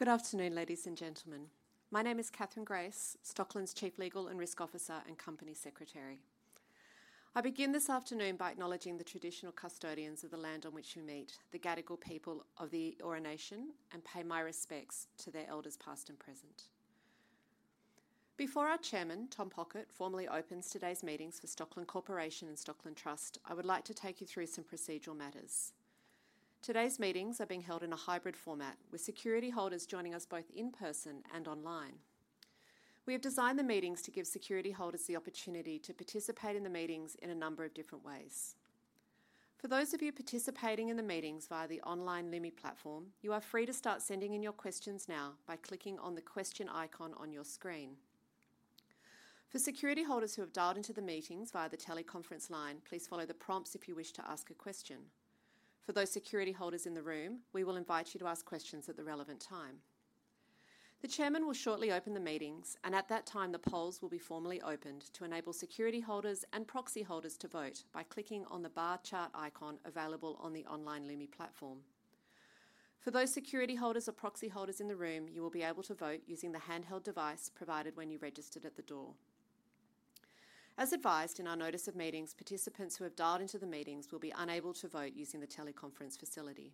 Good afternoon, ladies and gentlemen. My name is Katherine Grace, Stockland's Chief Legal and Risk Officer and Company Secretary. I begin this afternoon by acknowledging the traditional custodians of the land on which you meet, the Gadigal people of the Eora Nation, and pay my respects to their elders, past and present. Before our Chairman, Tom Pockett, formally opens today's meetings for Stockland Corporation and Stockland Trust, I would like to take you through some procedural matters. Today's meetings are being held in a hybrid format, with security holders joining us both in person and online. We have designed the meetings to give security holders the opportunity to participate in the meetings in a number of different ways. For those of you participating in the meetings via the online Lumi platform, you are free to start sending in your questions now by clicking on the question icon on your screen. For security holders who have dialed into the meetings via the teleconference line, please follow the prompts if you wish to ask a question. For those security holders in the room, we will invite you to ask questions at the relevant time. The chairman will shortly open the meetings, and at that time, the polls will be formally opened to enable security holders and proxy holders to vote by clicking on the bar chart icon available on the online Lumi platform. For those security holders or proxy holders in the room, you will be able to vote using the handheld device provided when you registered at the door. As advised in our Notice of Meetings, participants who have dialed into the meetings will be unable to vote using the teleconference facility.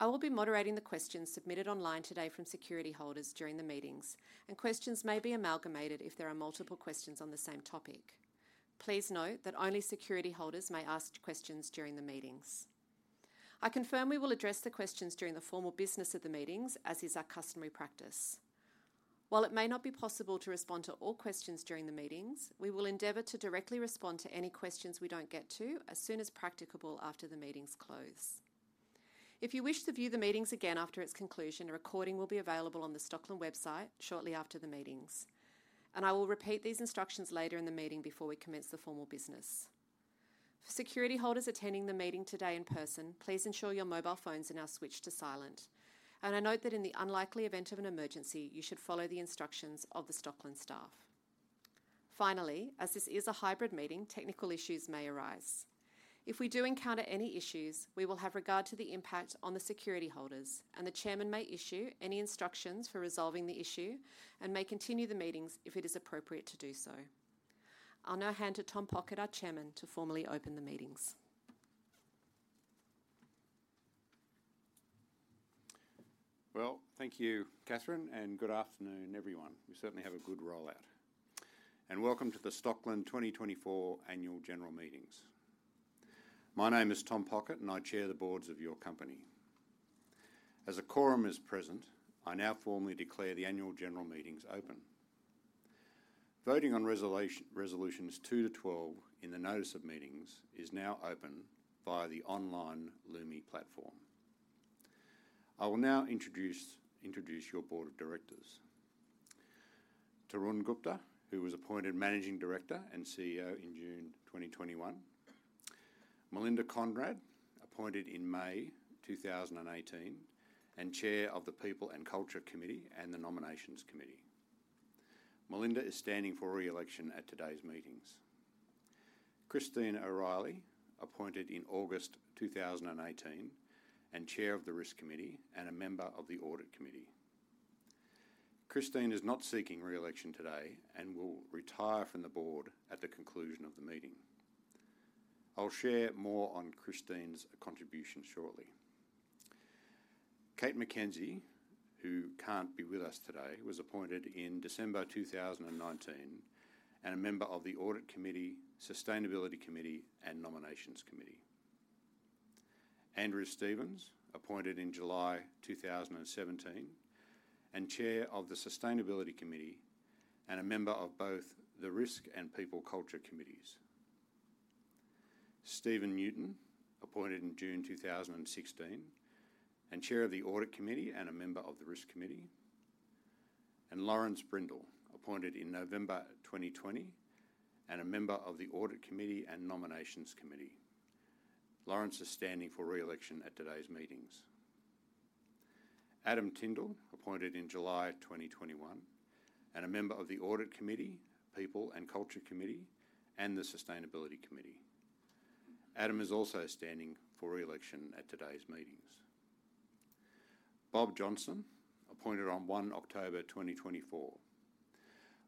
I will be moderating the questions submitted online today from security holders during the meetings, and questions may be amalgamated if there are multiple questions on the same topic. Please note that only security holders may ask questions during the meetings. I confirm we will address the questions during the formal business of the meetings, as is our customary practice. While it may not be possible to respond to all questions during the meetings, we will endeavor to directly respond to any questions we don't get to as soon as practicable after the meetings close. If you wish to view the meetings again after its conclusion, a recording will be available on the Stockland website shortly after the meetings, and I will repeat these instructions later in the meeting before we commence the formal business. For security holders attending the meeting today in person, please ensure your mobile phones are now switched to silent, and I note that in the unlikely event of an emergency, you should follow the instructions of the Stockland staff. Finally, as this is a hybrid meeting, technical issues may arise. If we do encounter any issues, we will have regard to the impact on the security holders, and the chairman may issue any instructions for resolving the issue and may continue the meetings if it is appropriate to do so. I'll now hand to Tom Pockett, our Chairman, to formally open the meetings. Thank you, Katherine, and good afternoon, everyone. We certainly have a good rollout. Welcome to the Stockland 2024 Annual General Meetings. My name is Tom Pockett, and I chair the boards of your company. As a quorum is present, I now formally declare the annual general meetings open. Voting on Resolutions 2 to 12 in the Notice of Meetings is now open via the online Lumi platform. I will now introduce your board of directors. Tarun Gupta, who was appointed Managing Director and CEO in June 2021. Melinda Conrad, appointed in May 2018, and Chair of the People and Culture Committee and the Nominations Committee. Melinda is standing for re-election at today's meetings. Christine O'Reilly, appointed in August 2018, and Chair of the Risk Committee and a member of the Audit Committee. Christine is not seeking re-election today and will retire from the board at the conclusion of the meeting. I'll share more on Christine's contribution shortly. Kate McKenzie, who can't be with us today, was appointed in December 2019, and a member of the Audit Committee, Sustainability Committee, and Nominations Committee. Andrew Stevens, appointed in July 2017, and Chair of the Sustainability Committee, and a member of both the Risk and People and Culture Committees. Stephen Newton, appointed in June 2016, and Chair of the Audit Committee, and a member of the Risk Committee. Laurence Brindle, appointed in November 2020, and a member of the Audit Committee and Nominations Committee. Laurence is standing for re-election at today's meetings. Adam Tindall, appointed in July 2021, and a member of the Audit Committee, People and Culture Committee, and the Sustainability Committee. Adam is also standing for re-election at today's meetings. Bob Johnston, appointed on 1 October 2024.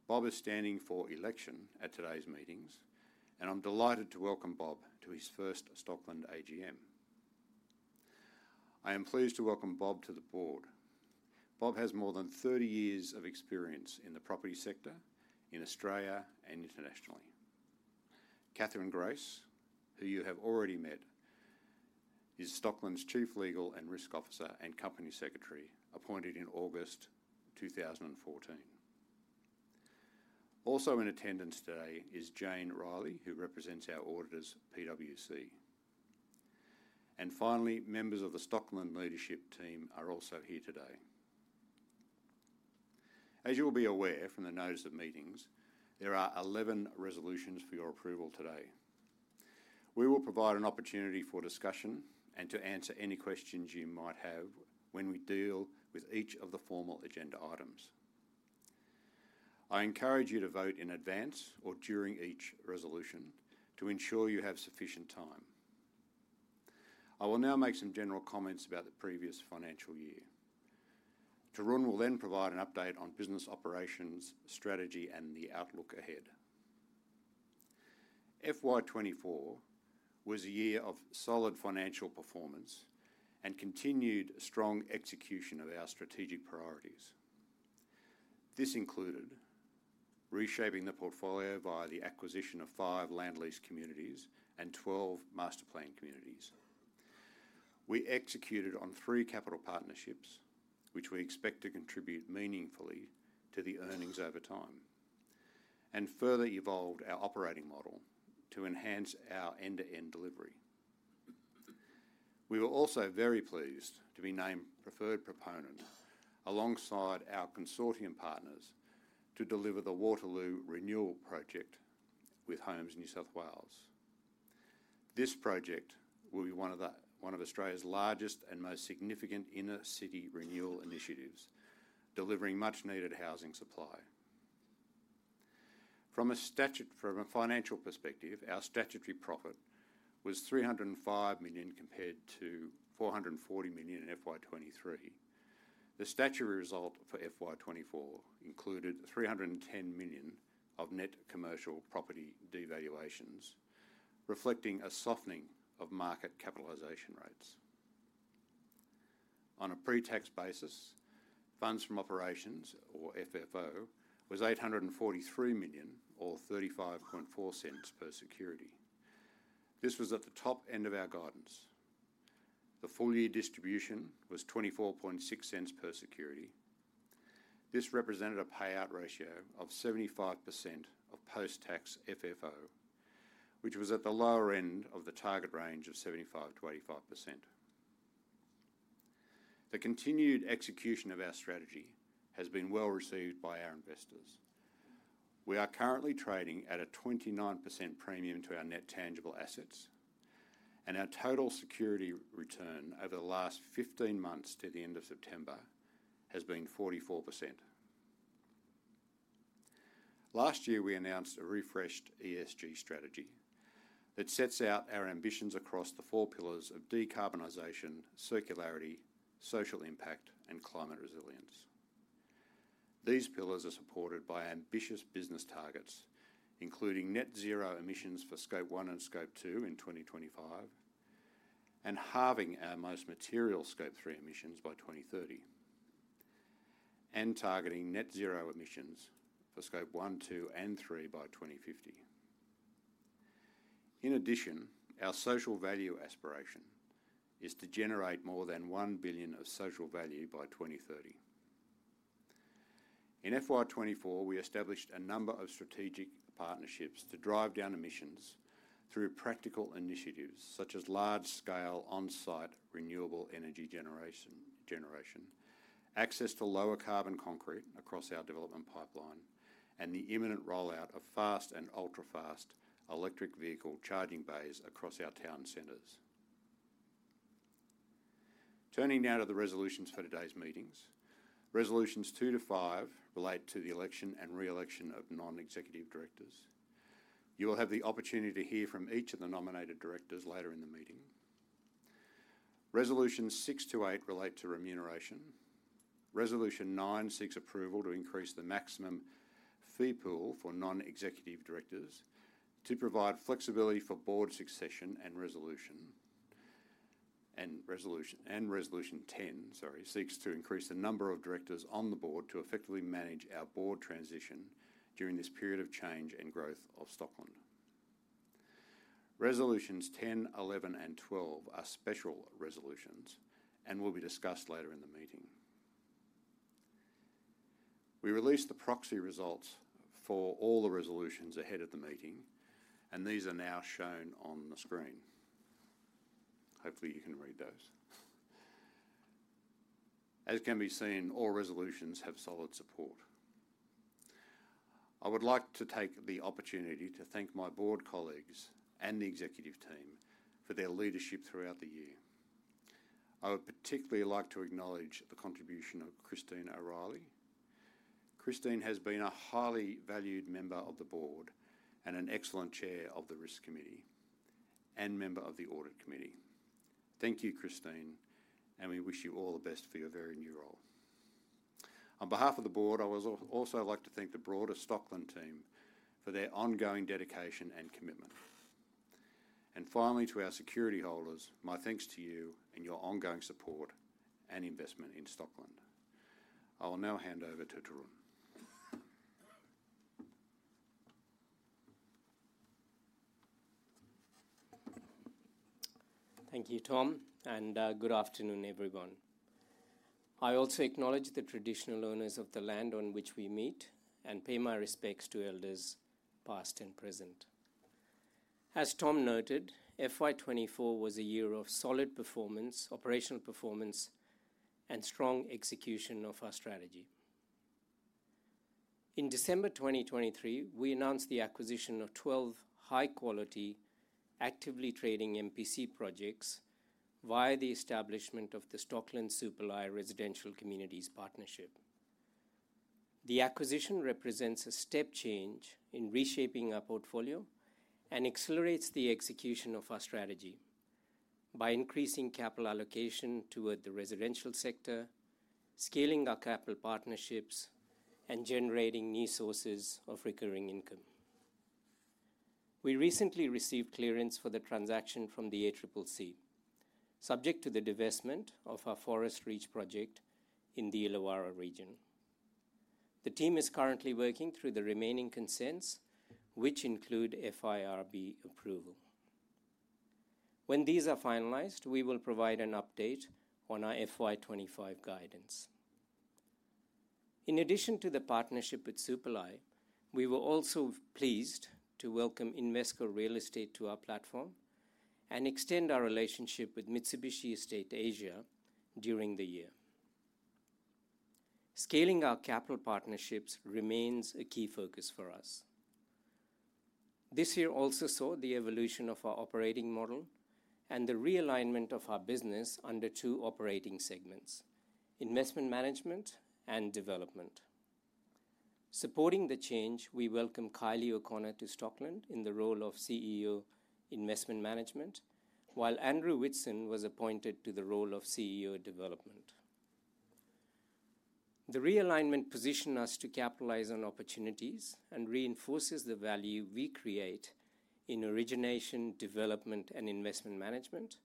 Bob is standing for election at today's meetings, and I'm delighted to welcome Bob to his first Stockland AGM. I am pleased to welcome Bob to the board. Bob has more than 30 years of experience in the property sector in Australia and internationally. Katherine Grace, who you have already met, is Stockland's Chief Legal and Risk Officer and Company Secretary, appointed in August 2014. Also in attendance today is Jane Reilly, who represents our auditors, PwC. And finally, members of the Stockland leadership team are also here today. As you will be aware from the Notice of Meetings, there are 11 resolutions for your approval today. We will provide an opportunity for discussion and to answer any questions you might have when we deal with each of the formal agenda items. I encourage you to vote in advance or during each resolution to ensure you have sufficient time. I will now make some general comments about the previous financial year. Tarun will then provide an update on business operations, strategy, and the outlook ahead. FY 2024 was a year of solid financial performance and continued strong execution of our strategic priorities. This included reshaping the portfolio via the acquisition of five land lease communities and 12 masterplanned communities. We executed on three capital partnerships, which we expect to contribute meaningfully to the earnings over time, and further evolved our operating model to enhance our end-to-end delivery. We were also very pleased to be named preferred proponent alongside our consortium partners to deliver the Waterloo Renewal Project with Homes New South Wales. This project will be one of Australia's largest and most significant inner-city renewal initiatives, delivering much needed housing supply. From a financial perspective, our statutory profit was 305 million, compared to 440 million in FY 2023. The statutory result for FY 2024 included 310 million of net commercial property devaluations, reflecting a softening of market capitalization rates. On a pre-tax basis, funds from operations, or FFO, was 843 million, or 0.354 per security. This was at the top end of our guidance. The full year distribution was 0.246 per security. This represented a payout ratio of 75% of post-tax FFO, which was at the lower end of the target range of 75%-85%. The continued execution of our strategy has been well received by our investors. We are currently trading at a 29% premium to our net tangible assets, and our total security return over the last 15 months to the end of September has been 44%. Last year, we announced a refreshed ESG strategy that sets out our ambitions across the four pillars of decarbonization, circularity, social impact, and climate resilience. These pillars are supported by ambitious business targets, including net zero emissions for Scope 1 and Scope 2 in 2025, and halving our most material Scope 3 emissions by 2030, and targeting net zero emissions for Scope 1, 2, and 3 by 2050. In addition, our social value aspiration is to generate more than one billion of social value by 2030. In FY 2024, we established a number of strategic partnerships to drive down emissions through practical initiatives, such as large-scale on-site renewable energy generation, access to lower carbon concrete across our development pipeline, and the imminent rollout of fast and ultra-fast electric vehicle charging bays across our town centers. Turning now to the resolutions for today's meetings. Resolutions 2-5 relate to the election and re-election of non-executive directors. You will have the opportunity to hear from each of the nominated directors later in the meeting. Resolutions 6-8 to remuneration. Resolution 9 seeks approval to increase the maximum fee pool for non-executive directors to provide flexibility for board succession, and Resolution 10, sorry, seeks to increase the number of directors on the board to effectively manage our board transition during this period of change and growth of Stockland. Resolutions 10, 11, and 12 are special resolutions and will be discussed later in the meeting. We released the proxy results for all the resolutions ahead of the meeting, and these are now shown on the screen. Hopefully, you can read those. As can be seen, all resolutions have solid support. I would like to take the opportunity to thank my board colleagues and the executive team for their leadership throughout the year. I would particularly like to acknowledge the contribution of Christine O'Reilly. Christine has been a highly valued member of the board and an excellent chair of the Risk Committee and member of the Audit Committee. Thank you, Christine, and we wish you all the best for your very new role. On behalf of the board, I would also like to thank the broader Stockland team for their ongoing dedication and commitment. And finally, to our security holders, my thanks to you and your ongoing support and investment in Stockland. I will now hand over to Tarun. Thank you, Tom, and good afternoon, everyone. I also acknowledge the traditional owners of the land on which we meet and pay my respects to elders, past and present. As Tom noted, FY 2024 was a year of solid performance, operational performance, and strong execution of our strategy. In December 2023, we announced the acquisition of 12 high-quality actively trading MPC projects via the establishment of the Stockland Supalai Residential Communities Partnership. The acquisition represents a step change in reshaping our portfolio and accelerates the execution of our strategy by increasing capital allocation toward the residential sector, scaling our capital partnerships, and generating new sources of recurring income. We recently received clearance for the transaction from the ACCC, subject to the divestment of our Forest Reach project in the Illawarra region. The team is currently working through the remaining consents, which include FIRB approval. When these are finalized, we will provide an update on our FY 2025 guidance. In addition to the partnership with Supalai, we were also pleased to welcome Invesco Real Estate to our platform and extend our relationship with Mitsubishi Estate Asia during the year. Scaling our capital partnerships remains a key focus for us. This year also saw the evolution of our operating model and the realignment of our business under two operating segments: investment management and development. Supporting the change, we welcome Kylie O'Connor to Stockland in the role of CEO, Investment Management, while Andrew Whitson was appointed to the role of CEO of Development. The realignment positioned us to capitalize on opportunities and reinforces the value we create in origination, development, and investment management,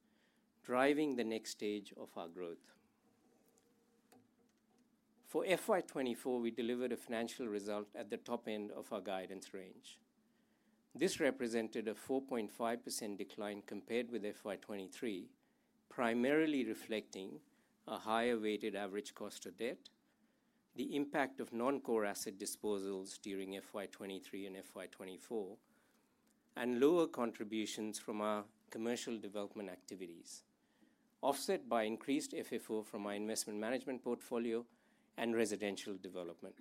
driving the next stage of our growth. For FY 2024, we delivered a financial result at the top end of our guidance range. This represented a 4.5% decline compared with FY 2023, primarily reflecting a higher weighted average cost of debt, the impact of non-core asset disposals during FY 2023 and FY 2024, and lower contributions from our commercial development activities, offset by increased FFO from our investment management portfolio and residential development.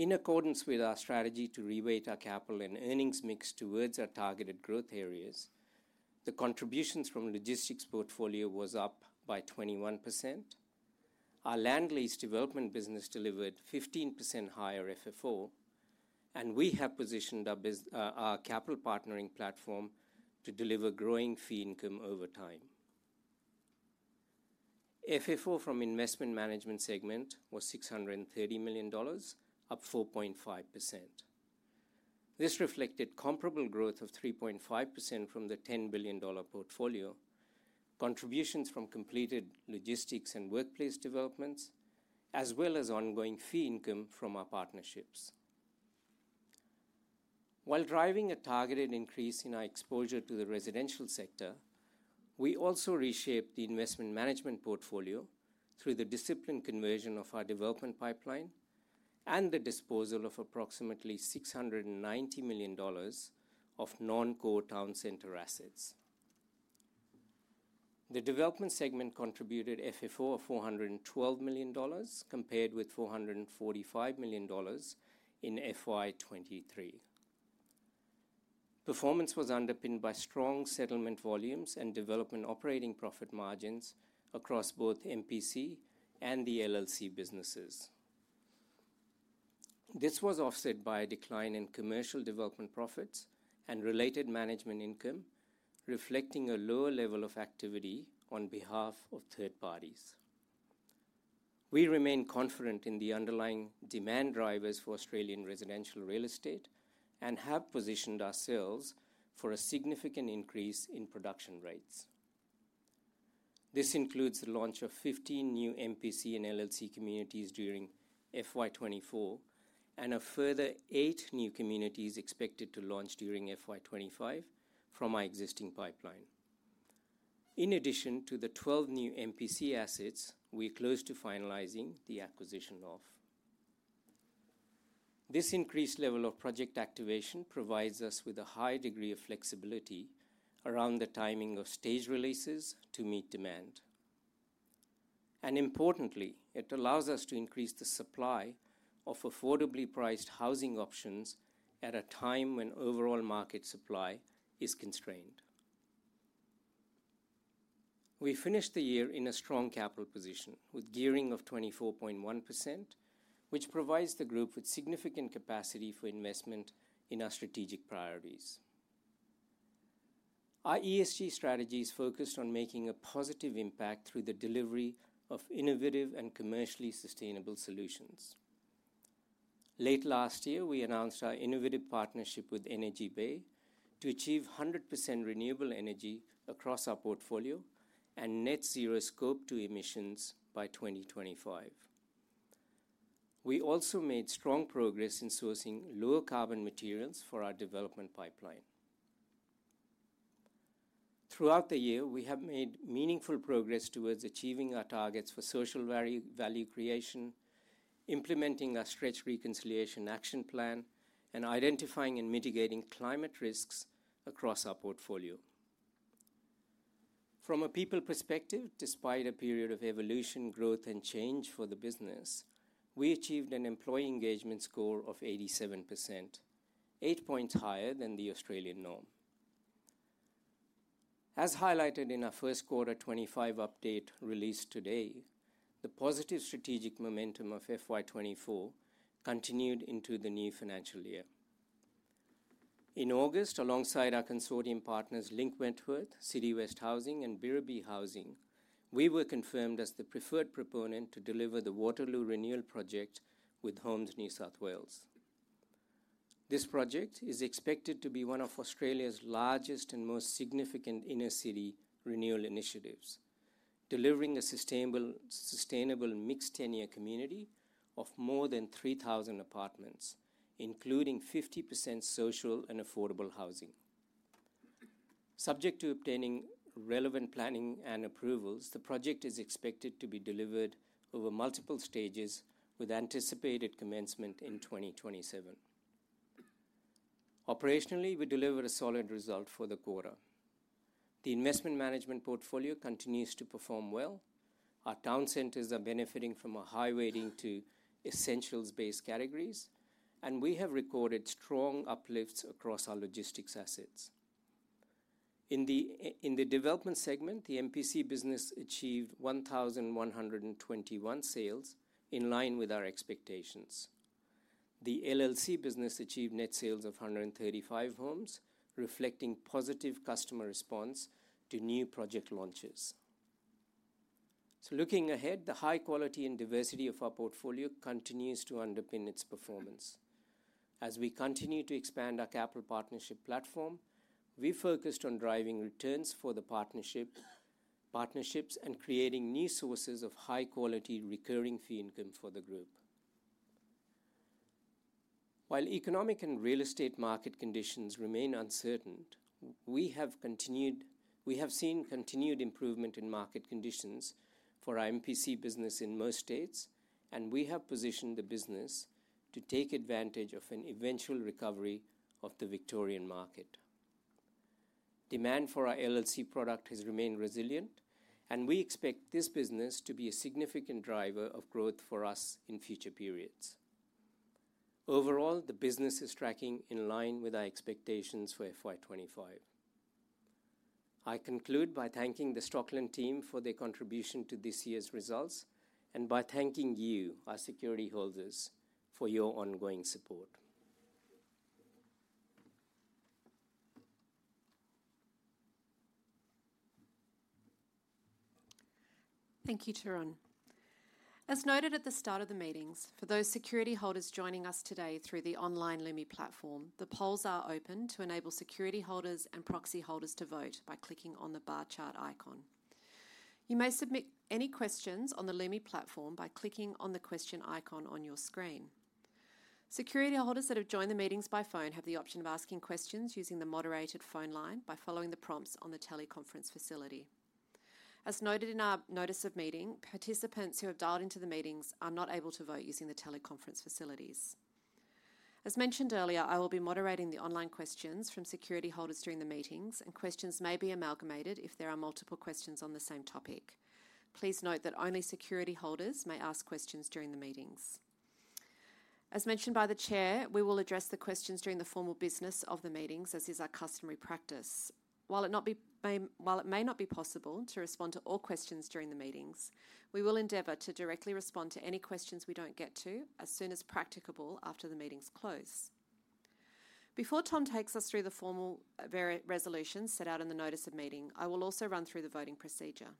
In accordance with our strategy to reweight our capital and earnings mix towards our targeted growth areas, the contributions from logistics portfolio was up by 21%. Our land lease development business delivered 15% higher FFO, and we have positioned our capital partnering platform to deliver growing fee income over time. FFO from investment management segment was 630 million dollars, up 4.5%. This reflected comparable growth of 3.5% from the 10 billion dollar portfolio, contributions from completed logistics and workplace developments, as well as ongoing fee income from our partnerships. While driving a targeted increase in our exposure to the residential sector, we also reshaped the investment management portfolio through the disciplined conversion of our development pipeline and the disposal of approximately 690 million dollars of non-core town center assets. The development segment contributed FFO of 412 million dollars, compared with 445 million dollars in FY 2023. Performance was underpinned by strong settlement volumes and development operating profit margins across both MPC and the LLC businesses. This was offset by a decline in commercial development profits and related management income, reflecting a lower level of activity on behalf of third parties. We remain confident in the underlying demand drivers for Australian residential real estate and have positioned ourselves for a significant increase in production rates. This includes the launch of fifteen new MPC and LLC communities during FY 2024, and a further eight new communities expected to launch during FY 2025 from our existing pipeline. In addition to the 12 new MPC assets, we're close to finalizing the acquisition of. This increased level of project activation provides us with a high degree of flexibility around the timing of stage releases to meet demand, and importantly, it allows us to increase the supply of affordably priced housing options at a time when overall market supply is constrained. We finished the year in a strong capital position, with gearing of 24.1%, which provides the group with significant capacity for investment in our strategic priorities. Our ESG strategy is focused on making a positive impact through the delivery of innovative and commercially sustainable solutions. Late last year, we announced our innovative partnership with Energy Bay to achieve 100% renewable energy across our portfolio and net zero scope two emissions by 2025. We also made strong progress in sourcing lower carbon materials for our development pipeline. Throughout the year, we have made meaningful progress towards achieving our targets for social value creation, implementing our stretch Reconciliation Action Plan, and identifying and mitigating climate risks across our portfolio. From a people perspective, despite a period of evolution, growth, and change for the business, we achieved an employee engagement score of 87%, eight points higher than the Australian norm. As highlighted in our first quarter 2025 update released today, the positive strategic momentum of FY 2024 continued into the new financial year. In August, alongside our consortium partners Link Wentworth, City West Housing, and Birribee Housing, we were confirmed as the preferred proponent to deliver the Waterloo Renewal Project with Homes New South Wales. This project is expected to be one of Australia's largest and most significant inner-city renewal initiatives, delivering a sustainable mixed-tenure community of more than 3,000 apartments, including 50% social and affordable housing. Subject to obtaining relevant planning and approvals, the project is expected to be delivered over multiple stages, with anticipated commencement in 2027. Operationally, we delivered a solid result for the quarter. The investment management portfolio continues to perform well. Our town centers are benefiting from a high weighting to essentials-based categories, and we have recorded strong uplifts across our logistics assets. In the development segment, the MPC business achieved 1,121 sales, in line with our expectations. The LLC business achieved net sales of 135 homes, reflecting positive customer response to new project launches. So looking ahead, the high quality and diversity of our portfolio continues to underpin its performance. As we continue to expand our capital partnership platform, we focused on driving returns for the partnership, partnerships and creating new sources of high-quality, recurring fee income for the group. While economic and real estate market conditions remain uncertain, we have seen continued improvement in market conditions for our MPC business in most states, and we have positioned the business to take advantage of an eventual recovery of the Victorian market. Demand for our LLC product has remained resilient, and we expect this business to be a significant driver of growth for us in future periods. Overall, the business is tracking in line with our expectations for FY 2025. I conclude by thanking the Stockland team for their contribution to this year's results, and by thanking you, our security holders, for your ongoing support. Thank you, Tarun. As noted at the start of the meetings, for those security holders joining us today through the online Lumi platform, the polls are open to enable security holders and proxy holders to vote by clicking on the bar chart icon. You may submit any questions on the Lumi platform by clicking on the question icon on your screen. Security holders that have joined the meetings by phone have the option of asking questions using the moderated phone line by following the prompts on the teleconference facility. As noted in our Notice of Meeting, participants who have dialed into the meetings are not able to vote using the teleconference facilities. As mentioned earlier, I will be moderating the online questions from security holders during the meetings, and questions may be amalgamated if there are multiple questions on the same topic. Please note that only security holders may ask questions during the meetings. As mentioned by the Chair, we will address the questions during the formal business of the meetings, as is our customary practice. While it may not be possible to respond to all questions during the meetings, we will endeavor to directly respond to any questions we don't get to as soon as practicable after the meetings close. Before Tom takes us through the formal various resolutions set out in the Notice of Meeting, I will also run through the voting procedure.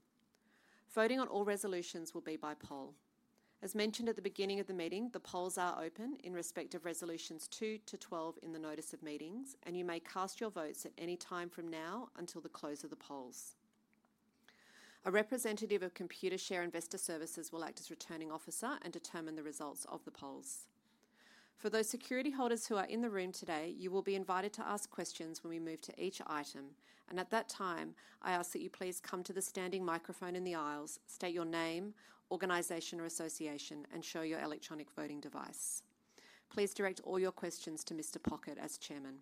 Voting on all resolutions will be by poll. As mentioned at the beginning of the meeting, the polls are open in respect of Resolutions 2-12 in the Notice of Meetings, and you may cast your votes at any time from now until the close of the polls. A representative of Computershare Investor Services will act as Returning Officer and determine the results of the polls. For those security holders who are in the room today, you will be invited to ask questions when we move to each item, and at that time, I ask that you please come to the standing microphone in the aisles, state your name, organization, or association, and show your electronic voting device. Please direct all your questions to Mr. Pockett as Chairman.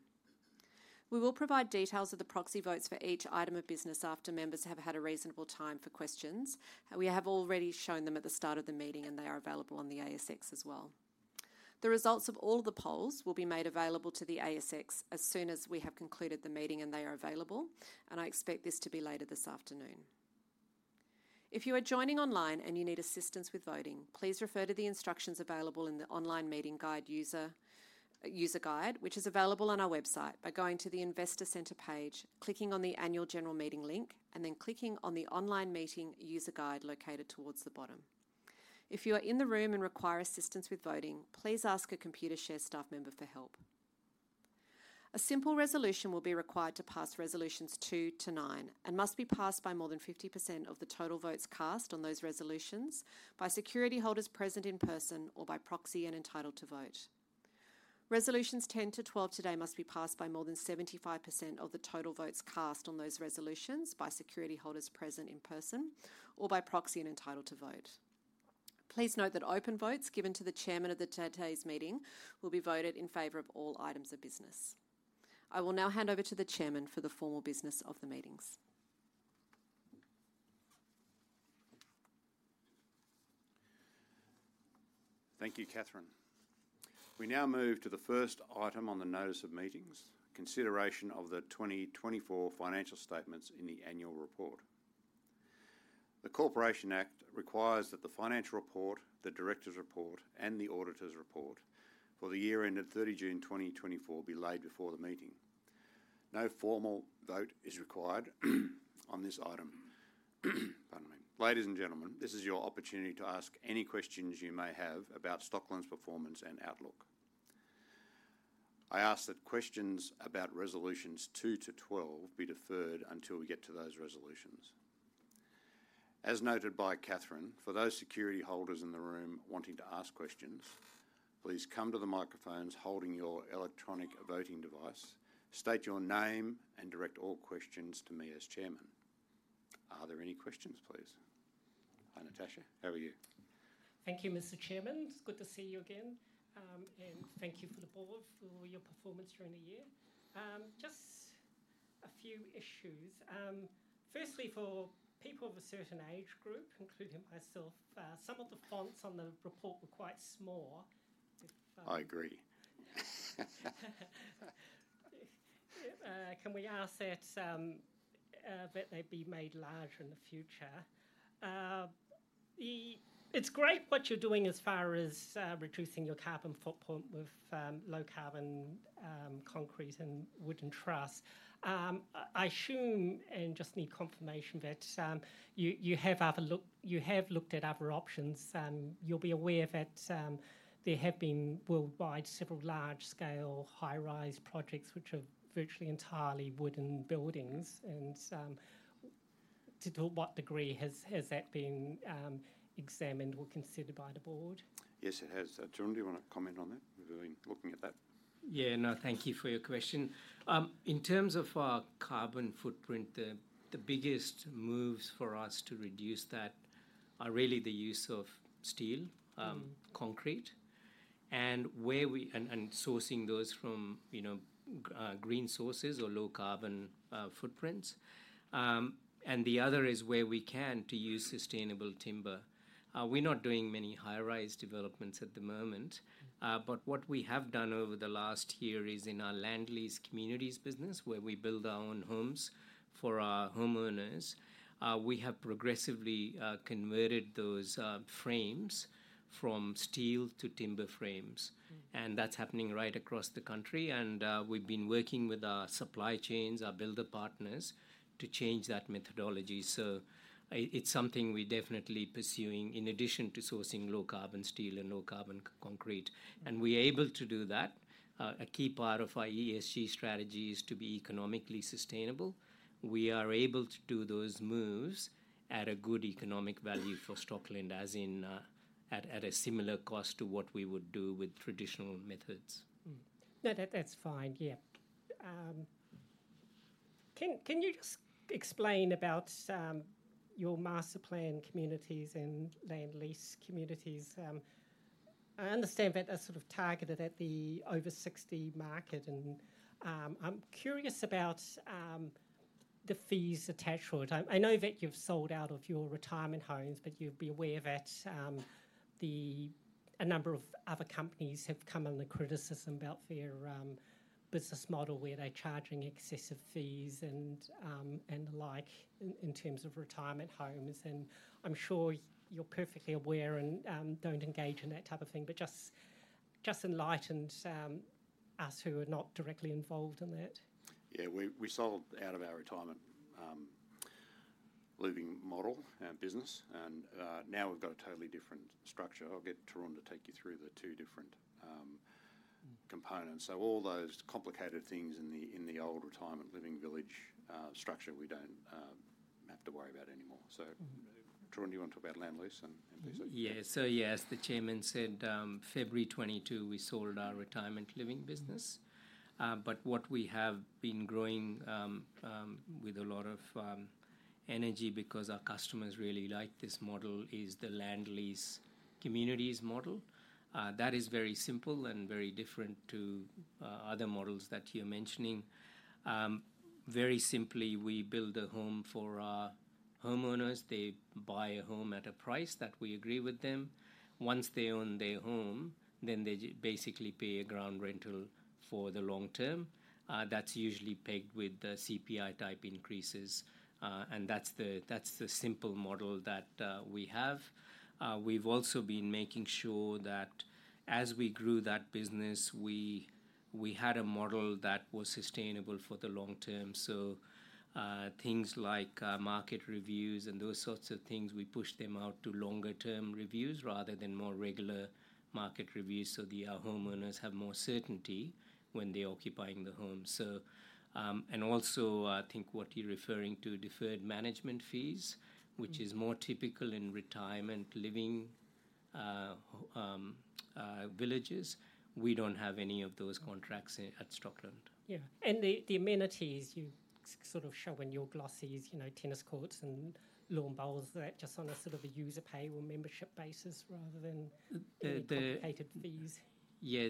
We will provide details of the proxy votes for each item of business after members have had a reasonable time for questions, and we have already shown them at the start of the meeting, and they are available on the ASX as well. The results of all the polls will be made available to the ASX as soon as we have concluded the meeting and they are available, and I expect this to be later this afternoon. If you are joining online and you need assistance with voting, please refer to the instructions available in the Online Meeting Guide user, User Guide, which is available on our website by going to the Investor Center page, clicking on the Annual General Meeting link, and then clicking on the Online Meeting User Guide located towards the bottom. If you are in the room and require assistance with voting, please ask a Computershare staff member for help. A simple resolution will be required to pass Resolutions 2-9 and must be passed by more than 50% of the total votes cast on those resolutions by security holders present in person or by proxy and entitled to vote. Resolutions 10-12 today must be passed by more than 75% of the total votes cast on those resolutions by security holders present in person or by proxy and entitled to vote. Please note that open votes given to the chairman of today's meeting will be voted in favor of all items of business. I will now hand over to the chairman for the formal business of the meetings. Thank you, Katherine. We now move to the first item on the Notice of Meetings: consideration of the 2024 financial statements in the annual report. The Corporations Act requires that the financial report, the directors' report, and the auditor's report for the year ended 30 June 2024 be laid before the meeting. No formal vote is required on this item. Pardon me. Ladies and gentlemen, this is your opportunity to ask any questions you may have about Stockland's performance and outlook. I ask that questions about Resolutions 2-12 be deferred until we get to those resolutions. As noted by Katherine, for those security holders in the room wanting to ask questions, please come to the microphones holding your electronic voting device, state your name, and direct all questions to me as chairman. Are there any questions, please? Hi, Natasha. How are you? Thank you, Mr. Chairman. It's good to see you again, and thank you for the board for your performance during the year. Just a few issues. Firstly, for people of a certain age group, including myself, some of the fonts on the report were quite small. I agree. Can we ask that they be made larger in the future? It's great what you're doing as far as reducing your carbon footprint with low-carbon concrete and wooden truss. I assume and just need confirmation that you have looked at other options. You'll be aware that there have been worldwide several large-scale high-rise projects which are virtually entirely wooden buildings and to what degree has that been examined or considered by the board? Yes, it has. Tarun, do you want to comment on that? We've been looking at that. Yeah, no, thank you for your question. In terms of our carbon footprint, the biggest moves for us to reduce that are really the use of steel concrete, and sourcing those from, you know, green sources or low-carbon footprints, and the other is where we can to use sustainable timber. We're not doing many high-rise developments at the moment but what we have done over the last year is in our land lease communities business, where we build our own homes for our homeowners, we have progressively converted those frames from steel to timber frames. That's happening right across the country, and we've been working with our supply chains, our builder partners, to change that methodology. So it's something we're definitely pursuing, in addition to sourcing low-carbon steel and low-carbon concrete. We're able to do that. A key part of our ESG strategy is to be economically sustainable. We are able to do those moves at a good economic value for Stockland, as in, at a similar cost to what we would do with traditional methods. No, that's fine. Yeah. Can you explain about your masterplanned communities and land lease communities? I understand that they're sort of targeted at the over 60 market, and I'm curious about the fees attached to it. I know that you've sold out of your retirement homes, but you'll be aware that a number of other companies have come under criticism about their business model, where they're charging excessive fees and the like in terms of retirement homes, and I'm sure you're perfectly aware and don't engage in that type of thing, but just enlighten us who are not directly involved in that. Yeah, we sold out of our retirement living model and business, and now we've got a totally different structure. I'll get Tarun to take you through the two different components. So all those complicated things in the old retirement living village structure, we don't have to worry about anymore. So Tarun, do you want to talk about land lease and lease? Yeah. So yes, the chairman said, February 2022, we sold our retirement living business. But what we have been growing with a lot of energy, because our customers really like this model, is the land lease communities model. That is very simple and very different to other models that you're mentioning. Very simply, we build a home for our homeowners. They buy a home at a price that we agree with them. Once they own their home, then they basically pay a ground rental for the long term. That's usually pegged with the CPI-type increases, and that's the simple model that we have. We've also been making sure that as we grew that business, we had a model that was sustainable for the long term. So, things like market reviews and those sorts of things, we pushed them out to longer-term reviews rather than more regular market reviews, so the homeowners have more certainty when they're occupying the home. So, and also, I think what you're referring to, deferred management fees which is more typical in retirement living, villages. We don't have any of those contracts here at Stockland. Yeah, and the amenities you sort of show in your glossies, you know, tennis courts and lawn bowls, are they just on a sort of a user pay or membership basis rather than any complicated fees? Yeah,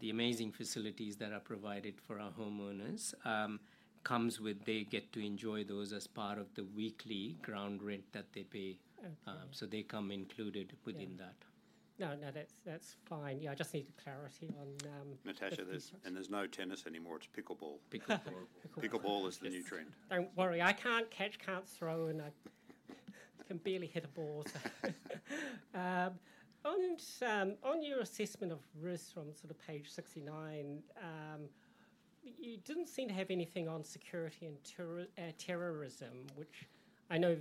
the amazing facilities that are provided for our homeowners comes with they get to enjoy those as part of the weekly ground rent that they pay. Okay. So they come included within that. Yeah. No, no, that's, that's fine. Yeah, I just needed clarity on. Natasha, and there's no tennis anymore, it's pickleball. Pickleball. Pickleball is the new trend. Don't worry, I can't catch, can't throw, and I can barely hit a ball. On your assessment of risks from sort of page 69, you didn't seem to have anything on security and terrorism, which I know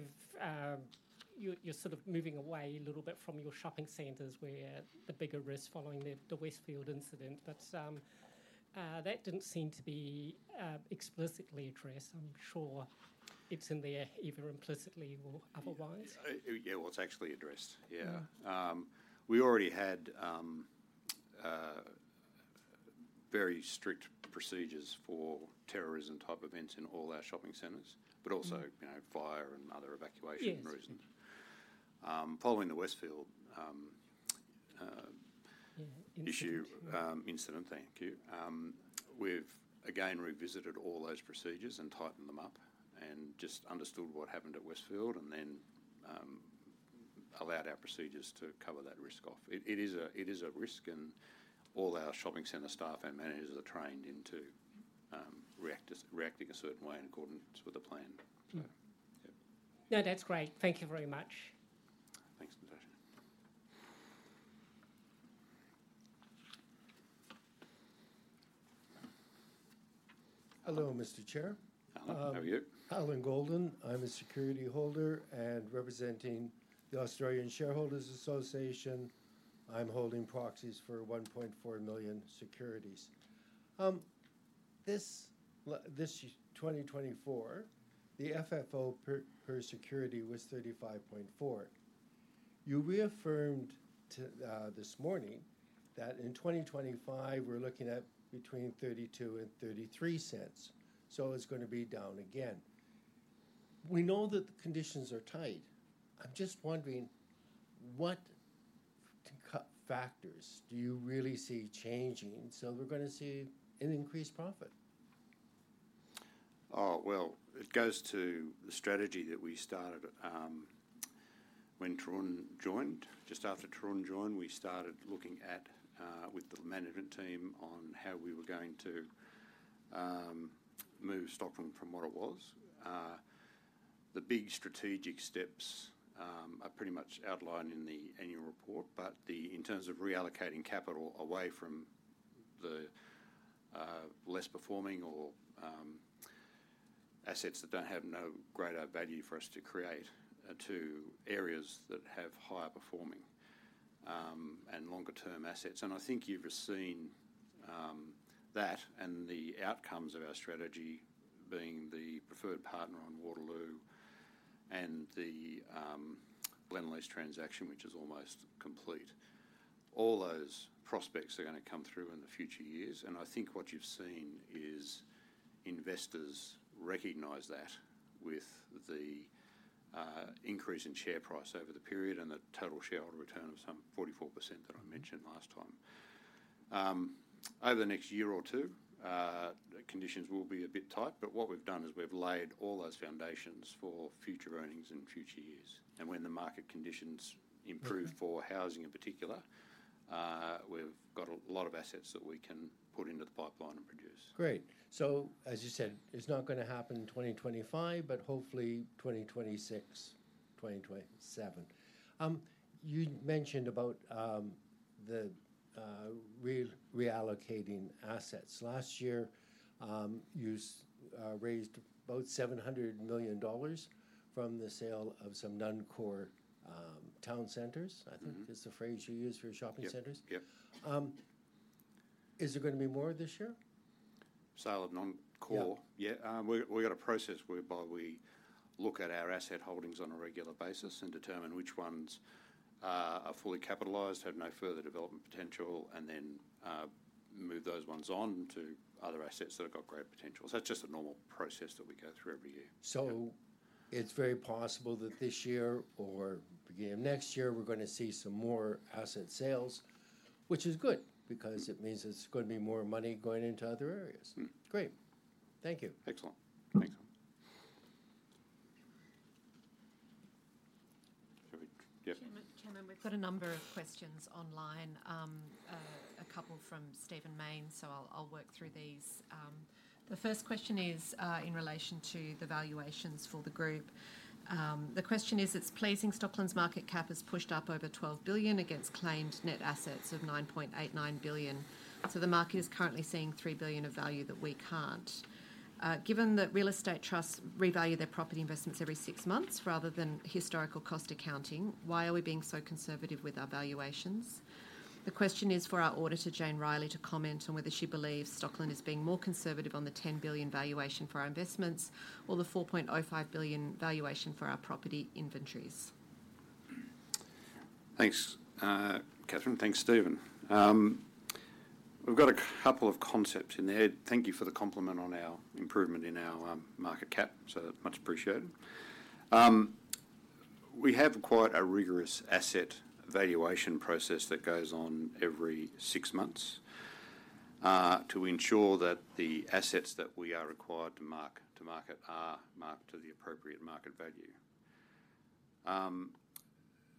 you're sort of moving away a little bit from your shopping centers where the bigger risk following the Westfield incident. But that didn't seem to be explicitly addressed. I'm sure it's in there, either implicitly or otherwise. Yeah, well, it's actually addressed, yeah. We already had very strict procedures for terrorism-type events in all our shopping centers, but also, you know, fire and other evacuation reasons. Yes. Following the Westfield. Yeah, incident Issue, incident, thank you. We've again revisited all those procedures and tightened them up, and just understood what happened at Westfield, and then, allowed our procedures to cover that risk off. It is a risk, and all our shopping center staff and managers are trained into reacting a certain way in accordance with the plan. So, yeah. No, that's great. Thank you very much. Thanks, Natasha. Hello, Mr. Chair. Hello, how are you? Allan Goldin. I'm a security holder and representing the Australian Shareholders' Association. I'm holding proxies for 1.4 million securities. This 2024, the FFO per security was 35.4 cents. You reaffirmed this morning that in 2025, we're looking at between 32 and 33 cents, so it's gonna be down again. We know that the conditions are tight. I'm just wondering, what factors do you really see changing so we're gonna see an increased profit? Oh, well, it goes to the strategy that we started when Tarun joined. Just after Tarun joined, we started looking at with the management team on how we were going to move Stockland from what it was. The big strategic steps are pretty much outlined in the annual report, but the in terms of reallocating capital away from the less performing or assets that don't have no greater value for us to create to areas that have higher performing and longer term assets, and I think you've seen that and the outcomes of our strategy being the preferred partner on Waterloo and the Glenlee transaction, which is almost complete. All those prospects are gonna come through in the future years, and I think what you've seen is investors recognize that with the increase in share price over the period and the total shareholder return of some 44% that I mentioned last time. Over the next year or two, conditions will be a bit tight, but what we've done is we've laid all those foundations for future earnings in future years, and when the market conditions improve for housing in particular, we've got a lot of assets that we can put into the pipeline and produce. Great. So as you said, it's not gonna happen in2025, but hopefully, 2026, 2027. You mentioned about the reallocating assets. Last year, yous raised about 700 million dollars from the sale of some non-core town centers, I think is the phrase you used for your shopping centers. Yep, yep. Is there gonna be more this year? Sale of non-core? Yeah, we've got a process whereby we look at our asset holdings on a regular basis and determine which ones are fully capitalized, have no further development potential, and then move those ones on to other assets that have got great potential. So it's just a normal process that we go through every year. So it's very possible that this year or beginning of next year, we're gonna see some more asset sales, which is good because it means it's gonna be more money going into other areas. Great. Thank you. Excellent. Thanks. Shall we... Yeah? Chairman, we've got a number of questions online, a couple from Stephen Mayne, so I'll work through these. The first question is in relation to the valuations for the group. The question is: It's pleasing Stockland's market cap has pushed up over 12 billion against claimed net assets of 9.89 billion, so the market is currently seeing 3 billion of value that we can't. Given that real estate trusts revalue their property investments every six months rather than historical cost accounting, why are we being so conservative with our valuations? The question is for our auditor, Jane Reilly, to comment on whether she believes Stockland is being more conservative on the 10 billion valuation for our investments or the 4.05 billion valuation for our property inventories. Thanks, Katherine. Thanks, Stephen. We've got a couple of concepts in there. Thank you for the compliment on our improvement in our market cap, so much appreciated. We have quite a rigorous asset valuation process that goes on every six months to ensure that the assets that we are required to mark to market are marked to the appropriate market value.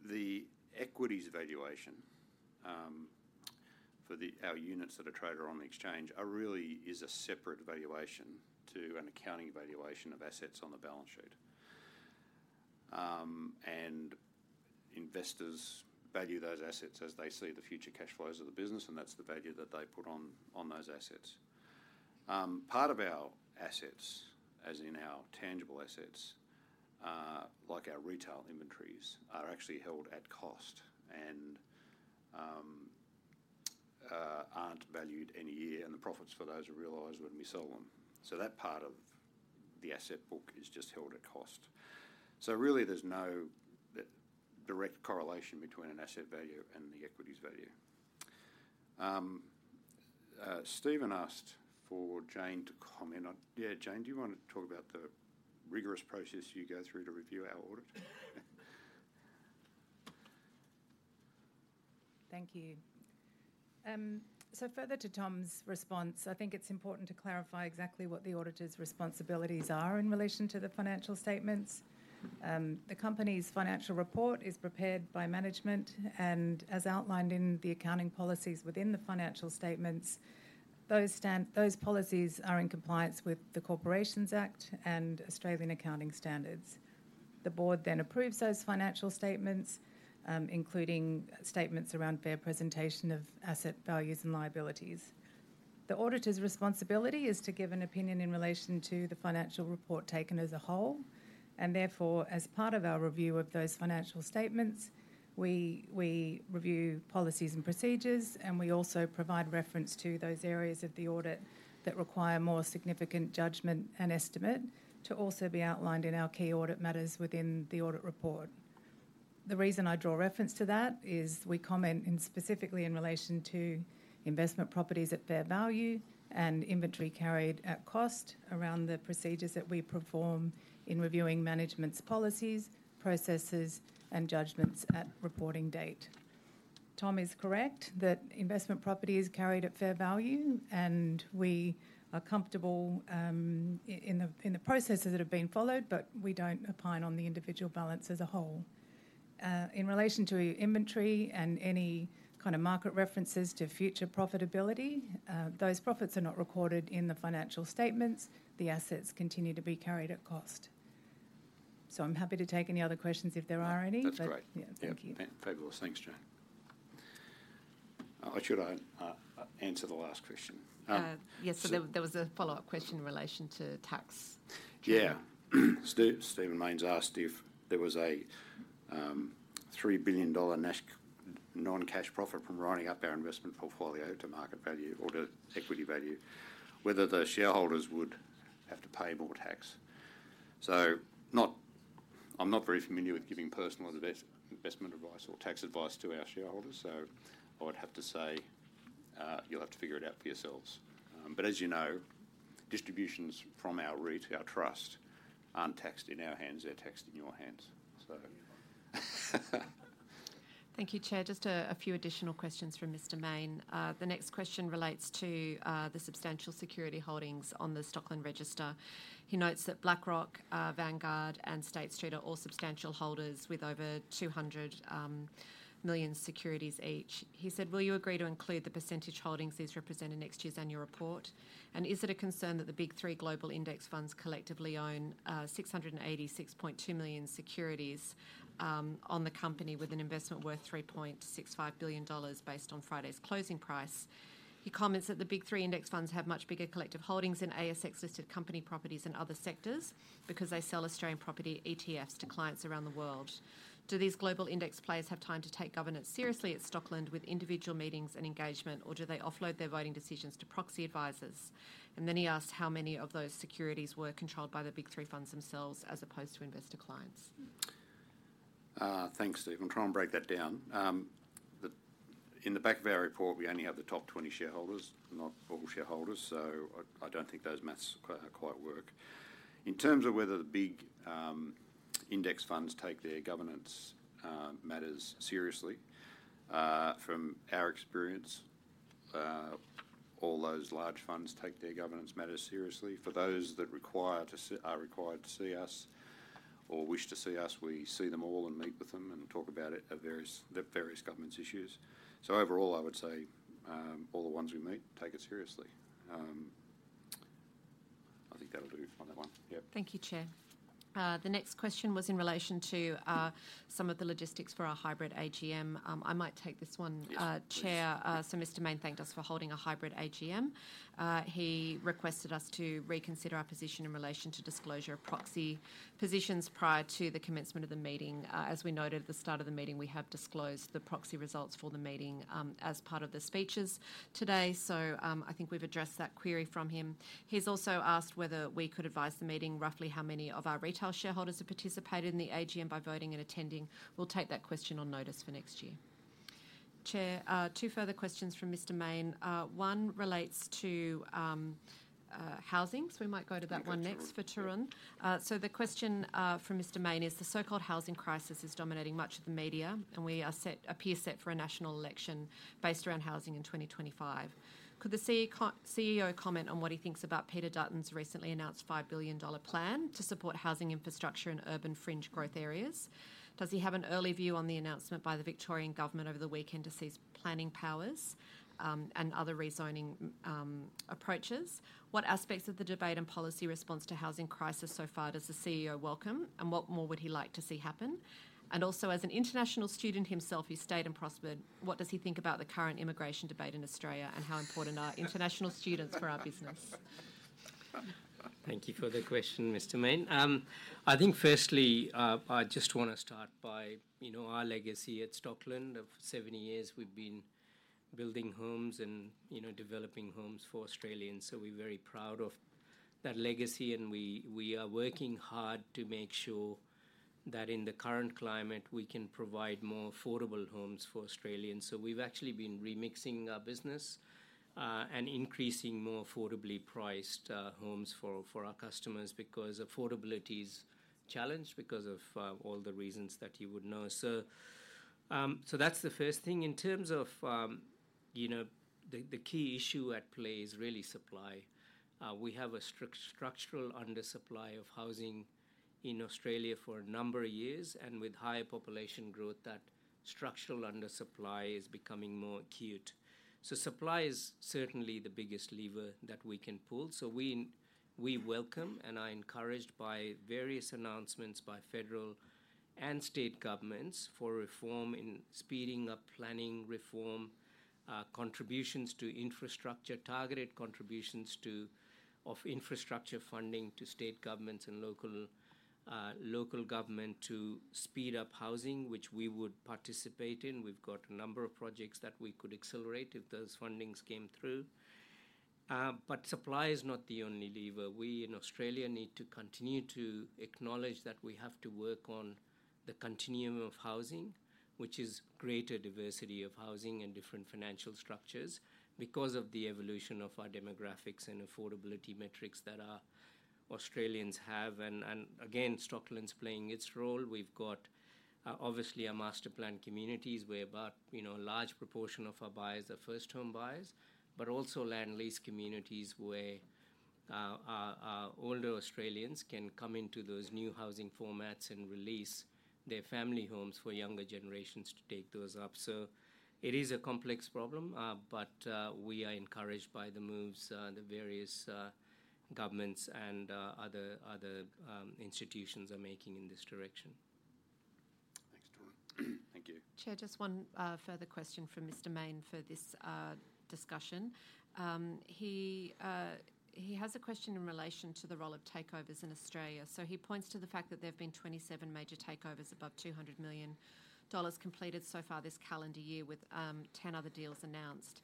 The equities valuation for our units that are traded on the exchange really is a separate valuation to an accounting valuation of assets on the balance sheet, and investors value those assets as they see the future cash flows of the business, and that's the value that they put on those assets. Part of our assets, as in our tangible assets, like our retail inventories, are actually held at cost and aren't valued any year, and the profits for those are realized when we sell them. So that part of the asset book is just held at cost. So really, there's no direct correlation between an asset value and the equities value. Stephen asked for Jane to comment on... Yeah, Jane, do you wanna talk about the rigorous process you go through to review our audit? Thank you. So further to Tom's response, I think it's important to clarify exactly what the auditor's responsibilities are in relation to the financial statements. The company's financial report is prepared by management, and as outlined in the accounting policies within the financial statements, those policies are in compliance with the Corporations Act and Australian Accounting Standards. The board then approves those financial statements, including statements around fair presentation of asset values and liabilities. The auditor's responsibility is to give an opinion in relation to the financial report taken as a whole, and therefore, as part of our review of those financial statements, we review policies and procedures, and we also provide reference to those areas of the audit that require more significant judgment and estimate to also be outlined in our key audit matters within the audit report. The reason I draw reference to that is we comment in, specifically in relation to investment properties at fair value and inventory carried at cost around the procedures that we perform in reviewing management's policies, processes, and judgments at reporting date. Tom is correct that investment property is carried at fair value, and we are comfortable in the processes that have been followed, but we don't opine on the individual balance as a whole. In relation to inventory and any kind of market references to future profitability, those profits are not recorded in the financial statements. The assets continue to be carried at cost. So I'm happy to take any other questions if there are any, but- That's great. Yeah, thank you. Yeah. Fabulous. Thanks, Jane. Should I answer the last question? Uh, yes, there was a follow-up question in relation to tax. Yeah. Stephen Mayne asked if there was a 3 billion dollar non-cash profit from writing up our investment portfolio to market value or to equity value, whether the shareholders would have to pay more tax. I'm not very familiar with giving personal investment advice or tax advice to our shareholders, so I would have to say you'll have to figure it out for yourselves. But as you know, distributions from our REIT, our trust, aren't taxed in our hands. They're taxed in your hands, so Thank you, Chair. Just a few additional questions from Mr. Mayne. The next question relates to the substantial security holdings on the Stockland register. He notes that BlackRock, Vanguard, and State Street are all substantial holders with over 200 million securities each. He said: "Will you agree to include the percentage holdings these represent in next year's annual report? And is it a concern that the Big Three global index funds collectively own 686.2 million securities on the company with an investment worth 3.65 billion dollars based on Friday's closing price?" He comments that the Big Three index funds have much bigger collective holdings in ASX-listed company properties and other sectors because they sell Australian property ETFs to clients around the world. Do these global index players have time to take governance seriously at Stockland with individual meetings and engagement, or do they offload their voting decisions to proxy advisors? And then he asked how many of those securities were controlled by the Big Three funds themselves as opposed to investor clients. Thanks, Stephen. I'll try and break that down. In the back of our report, we only have the top 20 shareholders, not all shareholders, so I don't think those math quite work. In terms of whether the big index funds take their governance matters seriously, from our experience, all those large funds take their governance matters seriously. For those that are required to see us or wish to see us, we see them all and meet with them and talk about it, the various governance issues. So overall, I would say, all the ones we meet take it seriously. I think that'll do on that one. Yep. Thank you, Chair. The next question was in relation to some of the logistics for our hybrid AGM. I might take this one. Yes, please. Chair. So Mr. Mayne thanked us for holding a hybrid AGM. He requested us to reconsider our position in relation to disclosure of proxy positions prior to the commencement of the meeting. As we noted at the start of the meeting, we have disclosed the proxy results for the meeting, as part of the speeches today. So, I think we've addressed that query from him. He's also asked whether we could advise the meeting roughly how many of our retail shareholders have participated in the AGM by voting and attending. We'll take that question on notice for next year. Chair, two further questions from Mr. Mayne. One relates to housing, so we might go to that one next for Tarun. So the question from Mr. Mayne is: The so-called housing crisis is dominating much of the media, and we appear set for a national election based around housing in 2025. Could the CEO comment on what he thinks about Peter Dutton's recently announced 5 billion dollar plan to support housing infrastructure in urban fringe growth areas? Does he have an early view on the announcement by the Victorian government over the weekend to cease planning powers and other rezoning approaches? What aspects of the debate and policy response to housing crisis so far does the CEO welcome, and what more would he like to see happen? And also, as an international student himself, he stayed and prospered, what does he think about the current immigration debate in Australia, and how important are international students for our business? Thank you for the question, Mr. Mayne. I think firstly, I just wanna start by, you know, our legacy at Stockland. Of 70 years, we've been building homes and, you know, developing homes for Australians, so we're very proud of that legacy, and we are working hard to make sure that in the current climate, we can provide more affordable homes for Australians. So we've actually been remixing our business, and increasing more affordably priced, homes for our customers because affordability is challenged because of all the reasons that you would know. So that's the first thing. In terms of, you know, the key issue at play is really supply. We have a structural undersupply of housing in Australia for a number of years, and with high population growth, that structural undersupply is becoming more acute. So supply is certainly the biggest lever that we can pull, so we welcome and are encouraged by various announcements by federal and state governments for reform in speeding up planning reform, contributions to infrastructure, targeted contributions to infrastructure funding to state governments and local government to speed up housing, which we would participate in. We've got a number of projects that we could accelerate if those fundings came through. But supply is not the only lever. We in Australia need to continue to acknowledge that we have to work on the continuum of housing, which is greater diversity of housing and different financial structures because of the evolution of our demographics and affordability metrics that our Australians have. And again, Stockland's playing its role. We've got, obviously our master-planned communities, where about, you know, a large proportion of our buyers are first-home buyers, but also land lease communities, where older Australians can come into those new housing formats and release their family homes for younger generations to take those up. So it is a complex problem, but we are encouraged by the moves the various governments and other institutions are making in this direction. Thanks, Tarun. Thank you. Chair, just one further question from Mr. Mayne for this discussion. He has a question in relation to the role of takeovers in Australia. So he points to the fact that there have been 27 major takeovers above 200 million dollars completed so far this calendar year, with 10 other deals announced,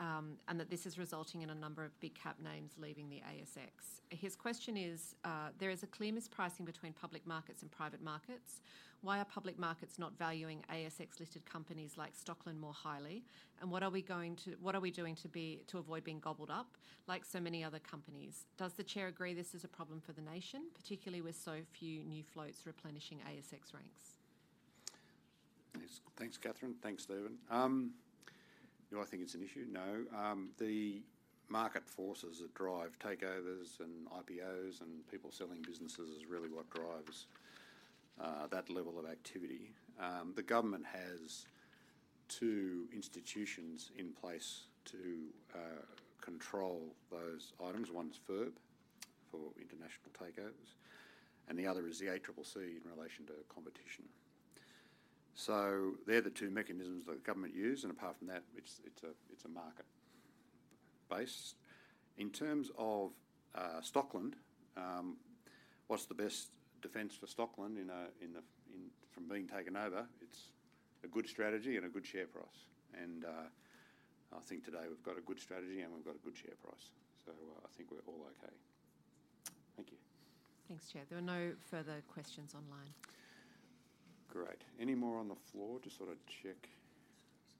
and that this is resulting in a number of big cap names leaving the ASX. His question is: "There is a clear mispricing between public markets and private markets. Why are public markets not valuing ASX-listed companies like Stockland more highly? And what are we doing to avoid being gobbled up like so many other companies? Does the Chair agree this is a problem for the nation, particularly with so few new floats replenishing ASX ranks? Thanks, thanks, Katherine. Thanks, Stephen. Do I think it's an issue? No. The market forces that drive takeovers and IPOs and people selling businesses is really what drives that level of activity. The government has two institutions in place to control those items. One is FIRB, for international takeovers, and the other is the ACCC in relation to competition. So they're the two mechanisms that the government use, and apart from that, it's a market base. In terms of Stockland, what's the best defense for Stockland from being taken over? It's a good strategy and a good share price. And I think today we've got a good strategy, and we've got a good share price, so I think we're all okay. Thank you. Thanks, Chair. There are no further questions online. Great. Any more on the floor? Just sort of check.